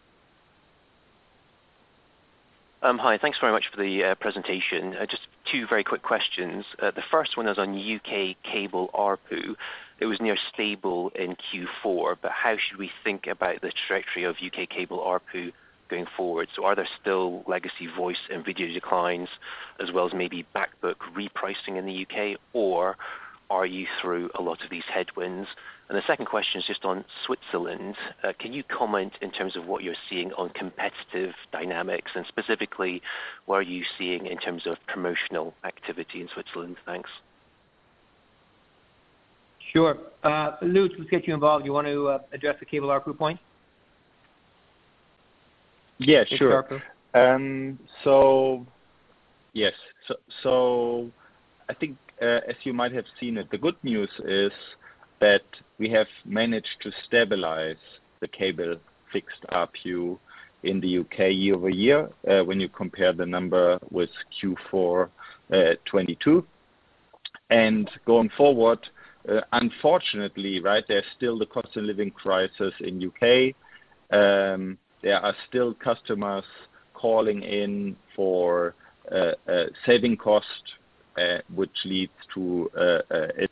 Hi. Thanks very much for the presentation. Just two very quick questions. The first one is on U.K. cable ARPU. It was near stable in Q4. But how should we think about the trajectory of U.K. cable ARPU going forward? So are there still legacy voice and video declines as well as maybe backbook repricing in the U.K.? Or are you through a lot of these headwinds? And the second question is just on Switzerland. Can you comment in terms of what you're seeing on competitive dynamics? And specifically, what are you seeing in terms of promotional activity in Switzerland? Thanks. Sure. Lutz, we'll get you involved. You want to address the cable ARPU point? Yeah. Sure. So yes. So I think, as you might have seen it, the good news is that we have managed to stabilize the cable fixed ARPU in the U.K. year-over-year when you compare the number with Q4 2022. And going forward, unfortunately, right, there's still the cost of living crisis in U.K. There are still customers calling in for saving cost, which leads to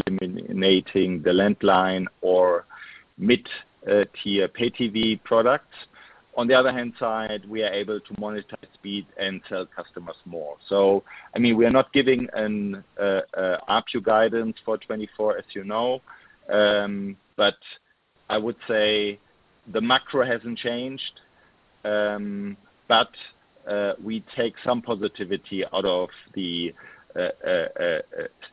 eliminating the landline or mid-tier Pay-TV products. On the other hand side, we are able to monetize speed and sell customers more. So I mean, we are not giving an ARPU guidance for 2024, as you know. But I would say the macro hasn't changed. But we take some positivity out of the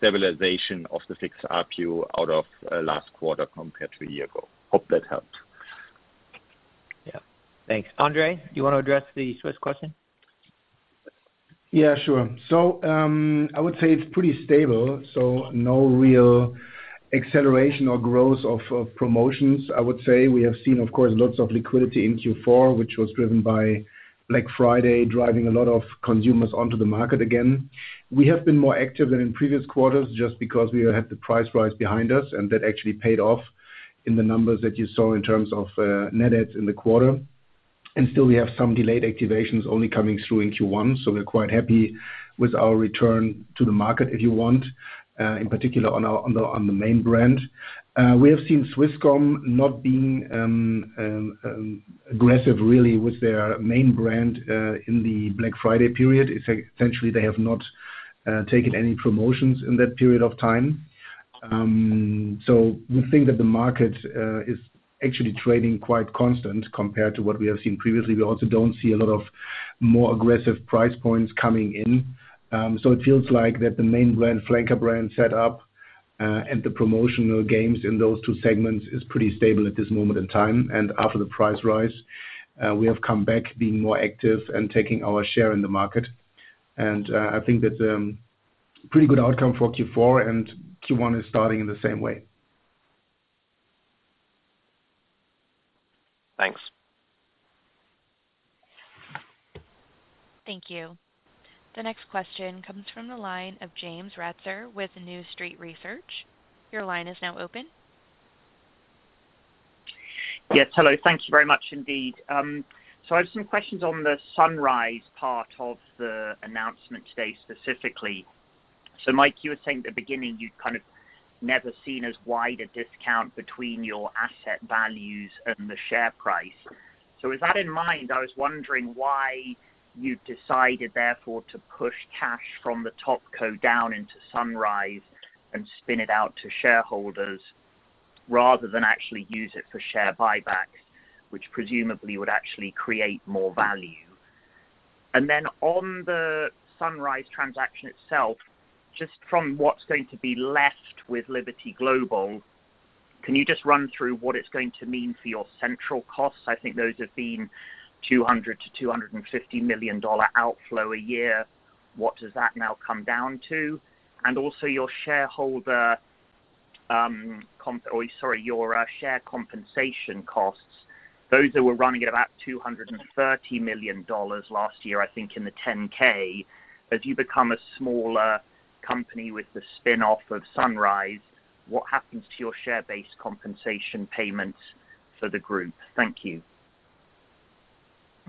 stabilization of the fixed ARPU out of last quarter compared to a year ago. Hope that helps. Yeah. Thanks. André, you want to address the Swiss question? Yeah. Sure. So I would say it's pretty stable. So no real acceleration or growth of promotions, I would say. We have seen, of course, lots of liquidity in Q4, which was driven by Black Friday driving a lot of consumers onto the market again. We have been more active than in previous quarters just because we had the price rise behind us. And that actually paid off in the numbers that you saw in terms of net adds in the quarter. And still, we have some delayed activations only coming through in Q1. So we're quite happy with our return to the market, if you want, in particular on the main brand. We have seen Swisscom not being aggressive, really, with their main brand in the Black Friday period. Essentially, they have not taken any promotions in that period of time. So we think that the market is actually trading quite constant compared to what we have seen previously. We also don't see a lot of more aggressive price points coming in. So it feels like that the main brand, flanker brand setup, and the promotional games in those two segments is pretty stable at this moment in time. And after the price rise, we have come back being more active and taking our share in the market. And I think that's a pretty good outcome for Q4. And Q1 is starting in the same way. Thanks. Thank you. The next question comes from the line of James Ratzer with New Street Research. Your line is now open. Yes. Hello. Thank you very much, indeed. So I have some questions on the Sunrise part of the announcement today, specifically. So Mike, you were saying at the beginning you'd kind of never seen as wide a discount between your asset values and the share price. So with that in mind, I was wondering why you'd decided, therefore, to push cash from the TopCo down into Sunrise and spin it out to shareholders rather than actually use it for share buybacks, which presumably would actually create more value. And then on the Sunrise transaction itself, just from what's going to be left with Liberty Global, can you just run through what it's going to mean for your central costs? I think those have been $200 million-$250 million dollar outflow a year. What does that now come down to? And also your shareholder oh, sorry, your share compensation costs. Those that were running at about $230 million last year, I think, in the 10-K. As you become a smaller company with the spin-off of Sunrise, what happens to your share-based compensation payments for the group? Thank you.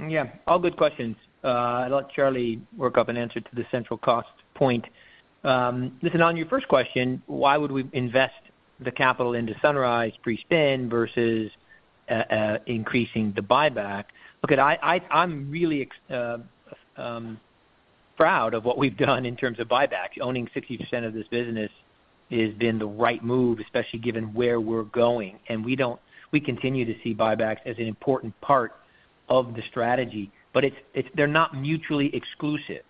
Yeah. All good questions. I'll let Charlie work up an answer to the central cost point. Listen, on your first question, why would we invest the capital into Sunrise pre-spin versus increasing the buyback? Look it, I'm really proud of what we've done in terms of buybacks. Owning 60% of this business has been the right move, especially given where we're going. And we continue to see buybacks as an important part of the strategy. But they're not mutually exclusive.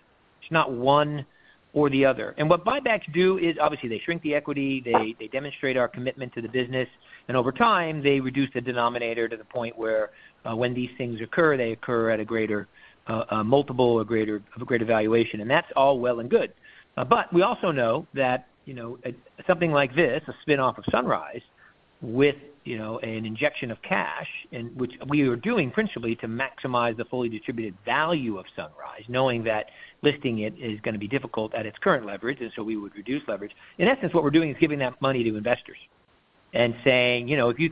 It's not one or the other. And what buybacks do is, obviously, they shrink the equity. They demonstrate our commitment to the business. Over time, they reduce the denominator to the point where when these things occur, they occur at a greater multiple, a greater valuation. That's all well and good. But we also know that something like this, a spin-off of Sunrise with an injection of cash, which we are doing principally to maximize the fully distributed value of Sunrise, knowing that listing it is going to be difficult at its current leverage. So we would reduce leverage. In essence, what we're doing is giving that money to investors and saying,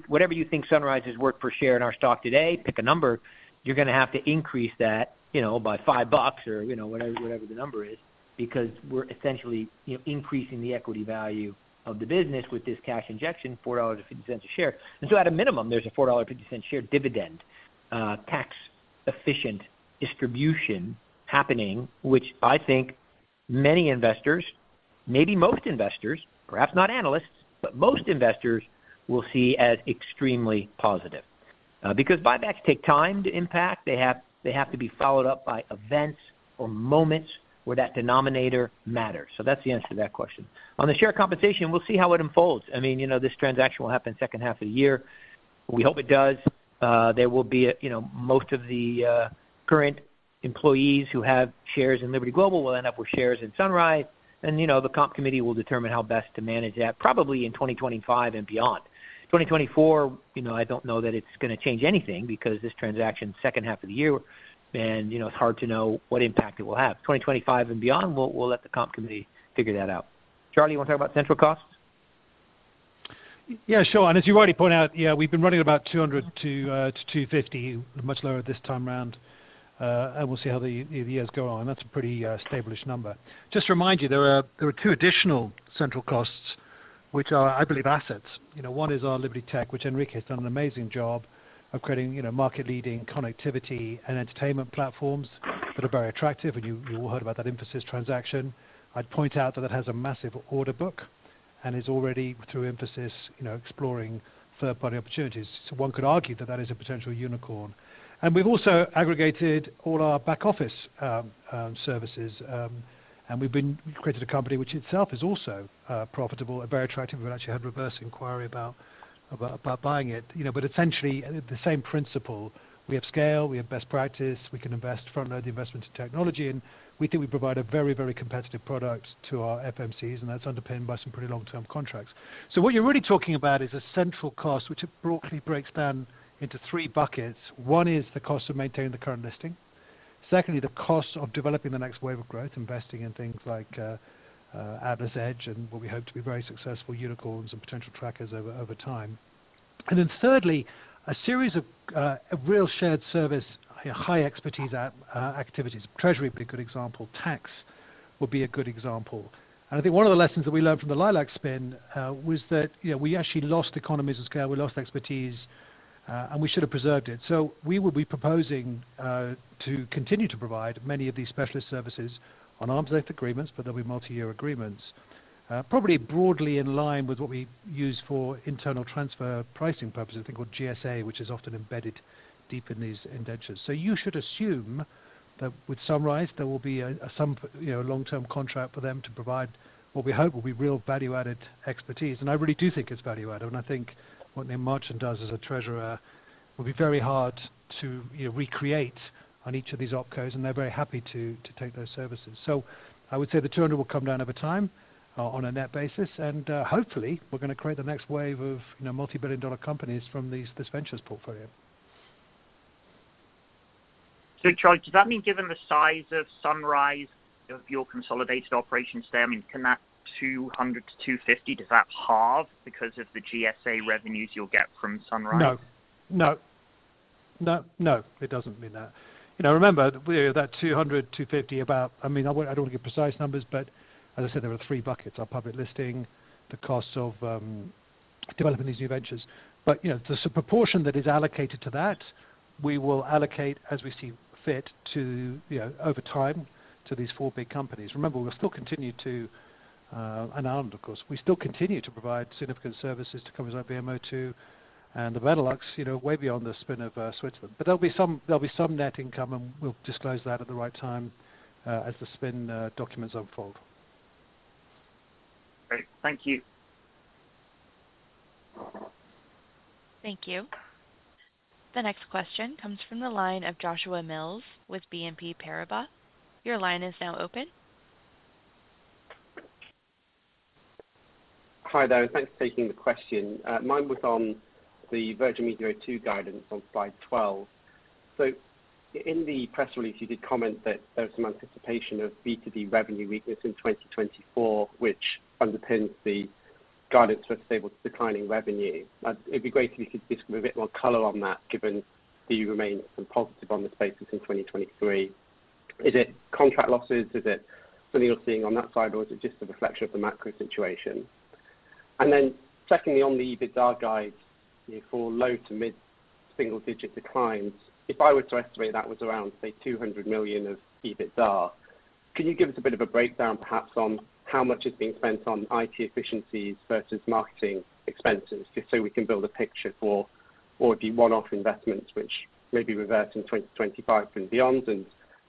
"Whatever you think Sunrise has worked for share in our stock today, pick a number. You're going to have to increase that by $5 or whatever the number is because we're essentially increasing the equity value of the business with this cash injection, $4.50 a share." And so at a minimum, there's a $4.50 share dividend tax-efficient distribution happening, which I think many investors, maybe most investors, perhaps not analysts, but most investors will see as extremely positive because buybacks take time to impact. They have to be followed up by events or moments where that denominator matters. So that's the answer to that question. On the share compensation, we'll see how it unfolds. I mean, this transaction will happen second half of the year. We hope it does. There will be most of the current employees who have shares in Liberty Global will end up with shares in Sunrise. The comp committee will determine how best to manage that, probably in 2025 and beyond. 2024, I don't know that it's going to change anything because this transaction's second half of the year. It's hard to know what impact it will have. 2025 and beyond, we'll let the comp committee figure that out. Charlie, you want to talk about central costs? Yeah. Sure. And as you've already pointed out, yeah, we've been running at about $200 million-$250 million, much lower this time around. And we'll see how the years go on. That's a pretty established number. Just to remind you, there are two additional central costs, which are, I believe, assets. One is our Liberty Tech, which Enrique has done an amazing job of creating market-leading connectivity and entertainment platforms that are very attractive. And you all heard about that Infosys transaction. I'd point out that it has a massive order book and is already, through Infosys, exploring third-party opportunities. So one could argue that that is a potential unicorn. And we've also aggregated all our back-office services. And we've created a company which itself is also profitable, very attractive. We've actually had reverse inquiry about buying it. But essentially, the same principle. We have scale. We have best practice. We can invest, front-load the investment in technology. We think we provide a very, very competitive product to our FMCs. That's underpinned by some pretty long-term contracts. What you're really talking about is a central cost, which it broadly breaks down into three buckets. One is the cost of maintaining the current listing. Secondly, the cost of developing the next wave of growth, investing in things like AtlasEdge and what we hope to be very successful unicorns and potential trackers over time. Then thirdly, a series of real shared service, high expertise activities. Treasury would be a good example. Tax would be a good example. I think one of the lessons that we learned from the LiLAC spin was that we actually lost economies of scale. We lost expertise. We should have preserved it. So we would be proposing to continue to provide many of these specialist services on arms-length agreements. But there'll be multi-year agreements, probably broadly in line with what we use for internal transfer pricing purposes, I think, called GSA, which is often embedded deep in these indentures. So you should assume that with Sunrise, there will be some long-term contract for them to provide what we hope will be real value-added expertise. And I really do think it's value-added. And I think what [Nim Marchand] does as a treasurer will be very hard to recreate on each of these OpCos. And they're very happy to take those services. So I would say the $200 million will come down over time on a net basis. And hopefully, we're going to create the next wave of multi-billion-dollar companies from this ventures portfolio. So Charlie, does that mean given the size of Sunrise, of your consolidated operations there, I mean, can that $200 million-$250 million, does that halve because of the GSA revenues you'll get from Sunrise? No. No. No. No. It doesn't mean that. Remember, that $200 million, $250 million, about I mean, I don't want to give precise numbers. But as I said, there are three buckets. Our public listing, the costs of developing these new ventures. But the proportion that is allocated to that, we will allocate, as we see fit, over time to these four big companies. Remember, we'll still continue to and Ireland, of course. We still continue to provide significant services to companies like VMO2 and the Benelux, way beyond the spin of Switzerland. But there'll be some net income. And we'll disclose that at the right time as the spin documents unfold. Great. Thank you. Thank you. The next question comes from the line of Joshua Mills with BNP Paribas. Your line is now open. Hi there. Thanks for taking the question. Mine was on the Virgin Media O2 guidance on slide 12. In the press release, you did comment that there was some anticipation of B2B revenue weakness in 2024, which underpins the guidance for stable, declining revenue. It'd be great if you could just give a bit more color on that given that you remain positive on this basis in 2023. Is it contract losses? Is it something you're seeing on that side? Or is it just a reflection of the macro situation? Then secondly, on the EBITDA guides for low- to mid-single-digit declines, if I were to estimate that was around, say, $200 million of EBITDA, can you give us a bit of a breakdown, perhaps, on how much is being spent on IT efficiencies versus marketing expenses just so we can build a picture for all of your one-off investments, which may be reversed in 2025 and beyond, and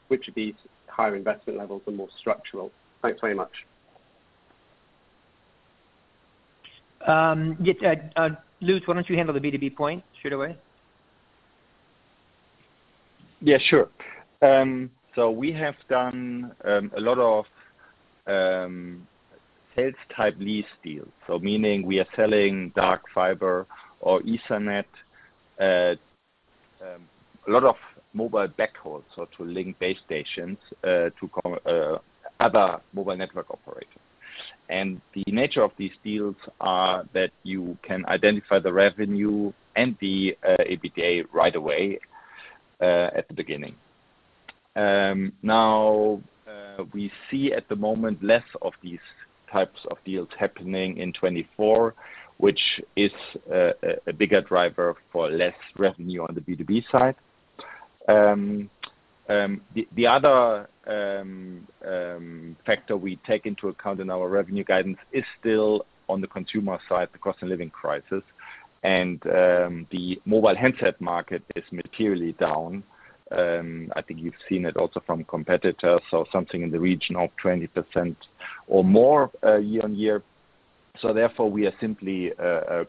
which of these higher investment levels are more structural? Thanks very much. Yeah. Lutz, why don't you handle the B2B point straightaway? Yeah. Sure. So we have done a lot of sales-type lease deals, so meaning we are selling dark fiber or Ethernet, a lot of mobile backhauls, so to link base stations to other mobile network operators. And the nature of these deals are that you can identify the revenue and the EBITDA right away at the beginning. Now, we see at the moment less of these types of deals happening in 2024, which is a bigger driver for less revenue on the B2B side. The other factor we take into account in our revenue guidance is still on the consumer side, the cost of living crisis. And the mobile handset market is materially down. I think you've seen it also from competitors, so something in the region of 20% or more year-on-year. So therefore, we are simply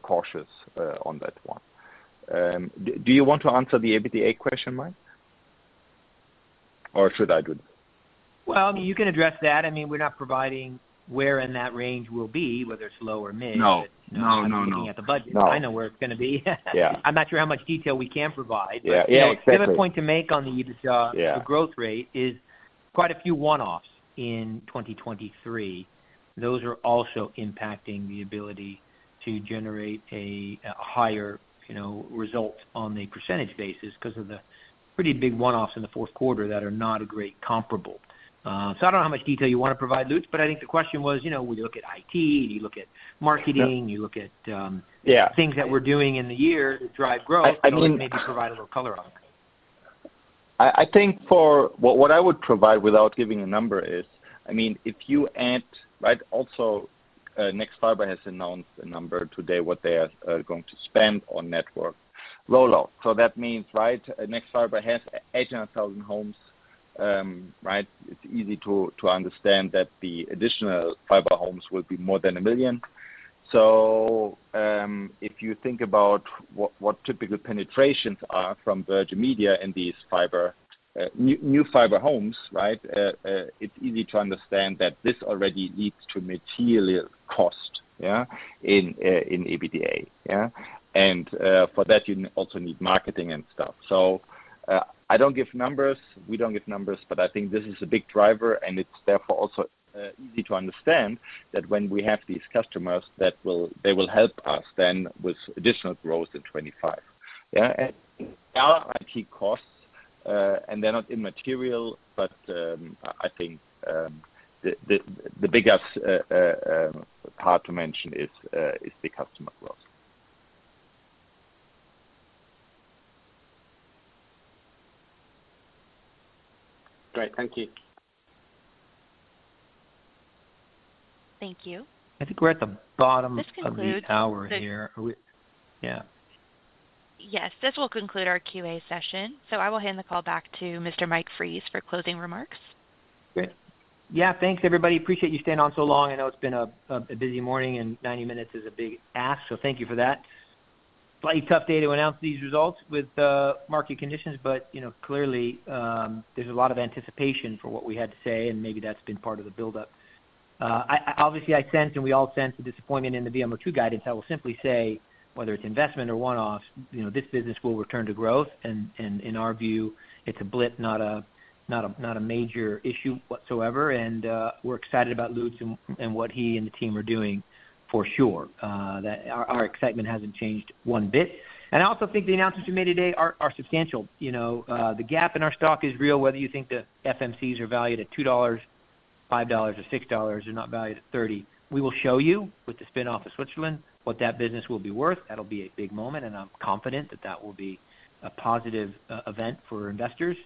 cautious on that one. Do you want to answer the EBITDA question, Mike? Or should I do that? Well, I mean, you can address that. I mean, we're not providing where in that range we'll be, whether it's low or mid. No. No. No. No. But looking at the budget, I know where it's going to be. I'm not sure how much detail we can provide. But the other point to make on the growth rate is quite a few one-offs in 2023. Those are also impacting the ability to generate a higher result on a percentage basis because of the pretty big one-offs in the fourth quarter that are not a great comparable. So I don't know how much detail you want to provide, Lutz. But I think the question was, when you look at IT, do you look at marketing? You look at things that we're doing in the year to drive growth. So maybe provide a little color on that. I think for what I would provide without giving a number is, I mean, if you add right, also, nexfibre has announced a number today what they are going to spend on network rollout. So that means, right, nexfibre has 800,000 homes. Right? It's easy to understand that the additional fiber homes will be more than a million. So if you think about what typical penetrations are from Virgin Media in these new fiber homes, right, it's easy to understand that this already leads to material cost, yeah, in EBITDA. Yeah? And for that, you also need marketing and stuff. So I don't give numbers. We don't give numbers. But I think this is a big driver. And it's therefore also easy to understand that when we have these customers, they will help us then with additional growth in 2025. Yeah? Our IT costs, and they're not immaterial. But I think the biggest part to mention is the customer growth. Great. Thank you. Thank you. I think we're at the bottom of the hour here. Yeah. Yes. This will conclude our QA session. So I will hand the call back to Mr. Mike Fries for closing remarks. Great. Yeah. Thanks, everybody. Appreciate you staying on so long. I know it's been a busy morning. 90 minutes is a big ask. So thank you for that. Slightly tough day to announce these results with market conditions. But clearly, there's a lot of anticipation for what we had to say. And maybe that's been part of the buildup. Obviously, I sense, and we all sense, the disappointment in the VMO2 guidance. I will simply say, whether it's investment or one-offs, this business will return to growth. And in our view, it's a blip, not a major issue whatsoever. And we're excited about Lutz and what he and the team are doing for sure. Our excitement hasn't changed one bit. And I also think the announcements we made today are substantial. The gap in our stock is real. Whether you think the FMCs are valued at $2, $5, or $6, they're not valued at 30. We will show you with the spin-off of Switzerland what that business will be worth. That'll be a big moment. And I'm confident that that will be a positive event for investors.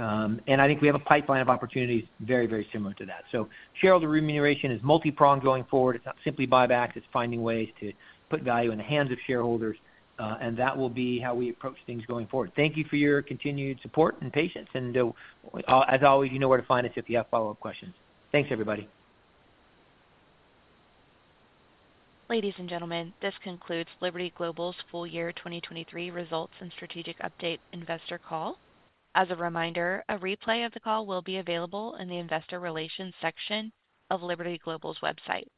And I think we have a pipeline of opportunities very, very similar to that. So shareholder remuneration is multi-pronged going forward. It's not simply buybacks. It's finding ways to put value in the hands of shareholders. And that will be how we approach things going forward. Thank you for your continued support and patience. And as always, you know where to find us if you have follow-up questions. Thanks, everybody. Ladies and gentlemen, this concludes Liberty Global's full year 2023 results and strategic update investor call. As a reminder, a replay of the call will be available in the Investor Relations section of Liberty Global's website.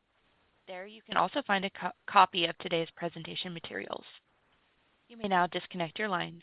There you can also find a copy of today's presentation materials. You may now disconnect your lines.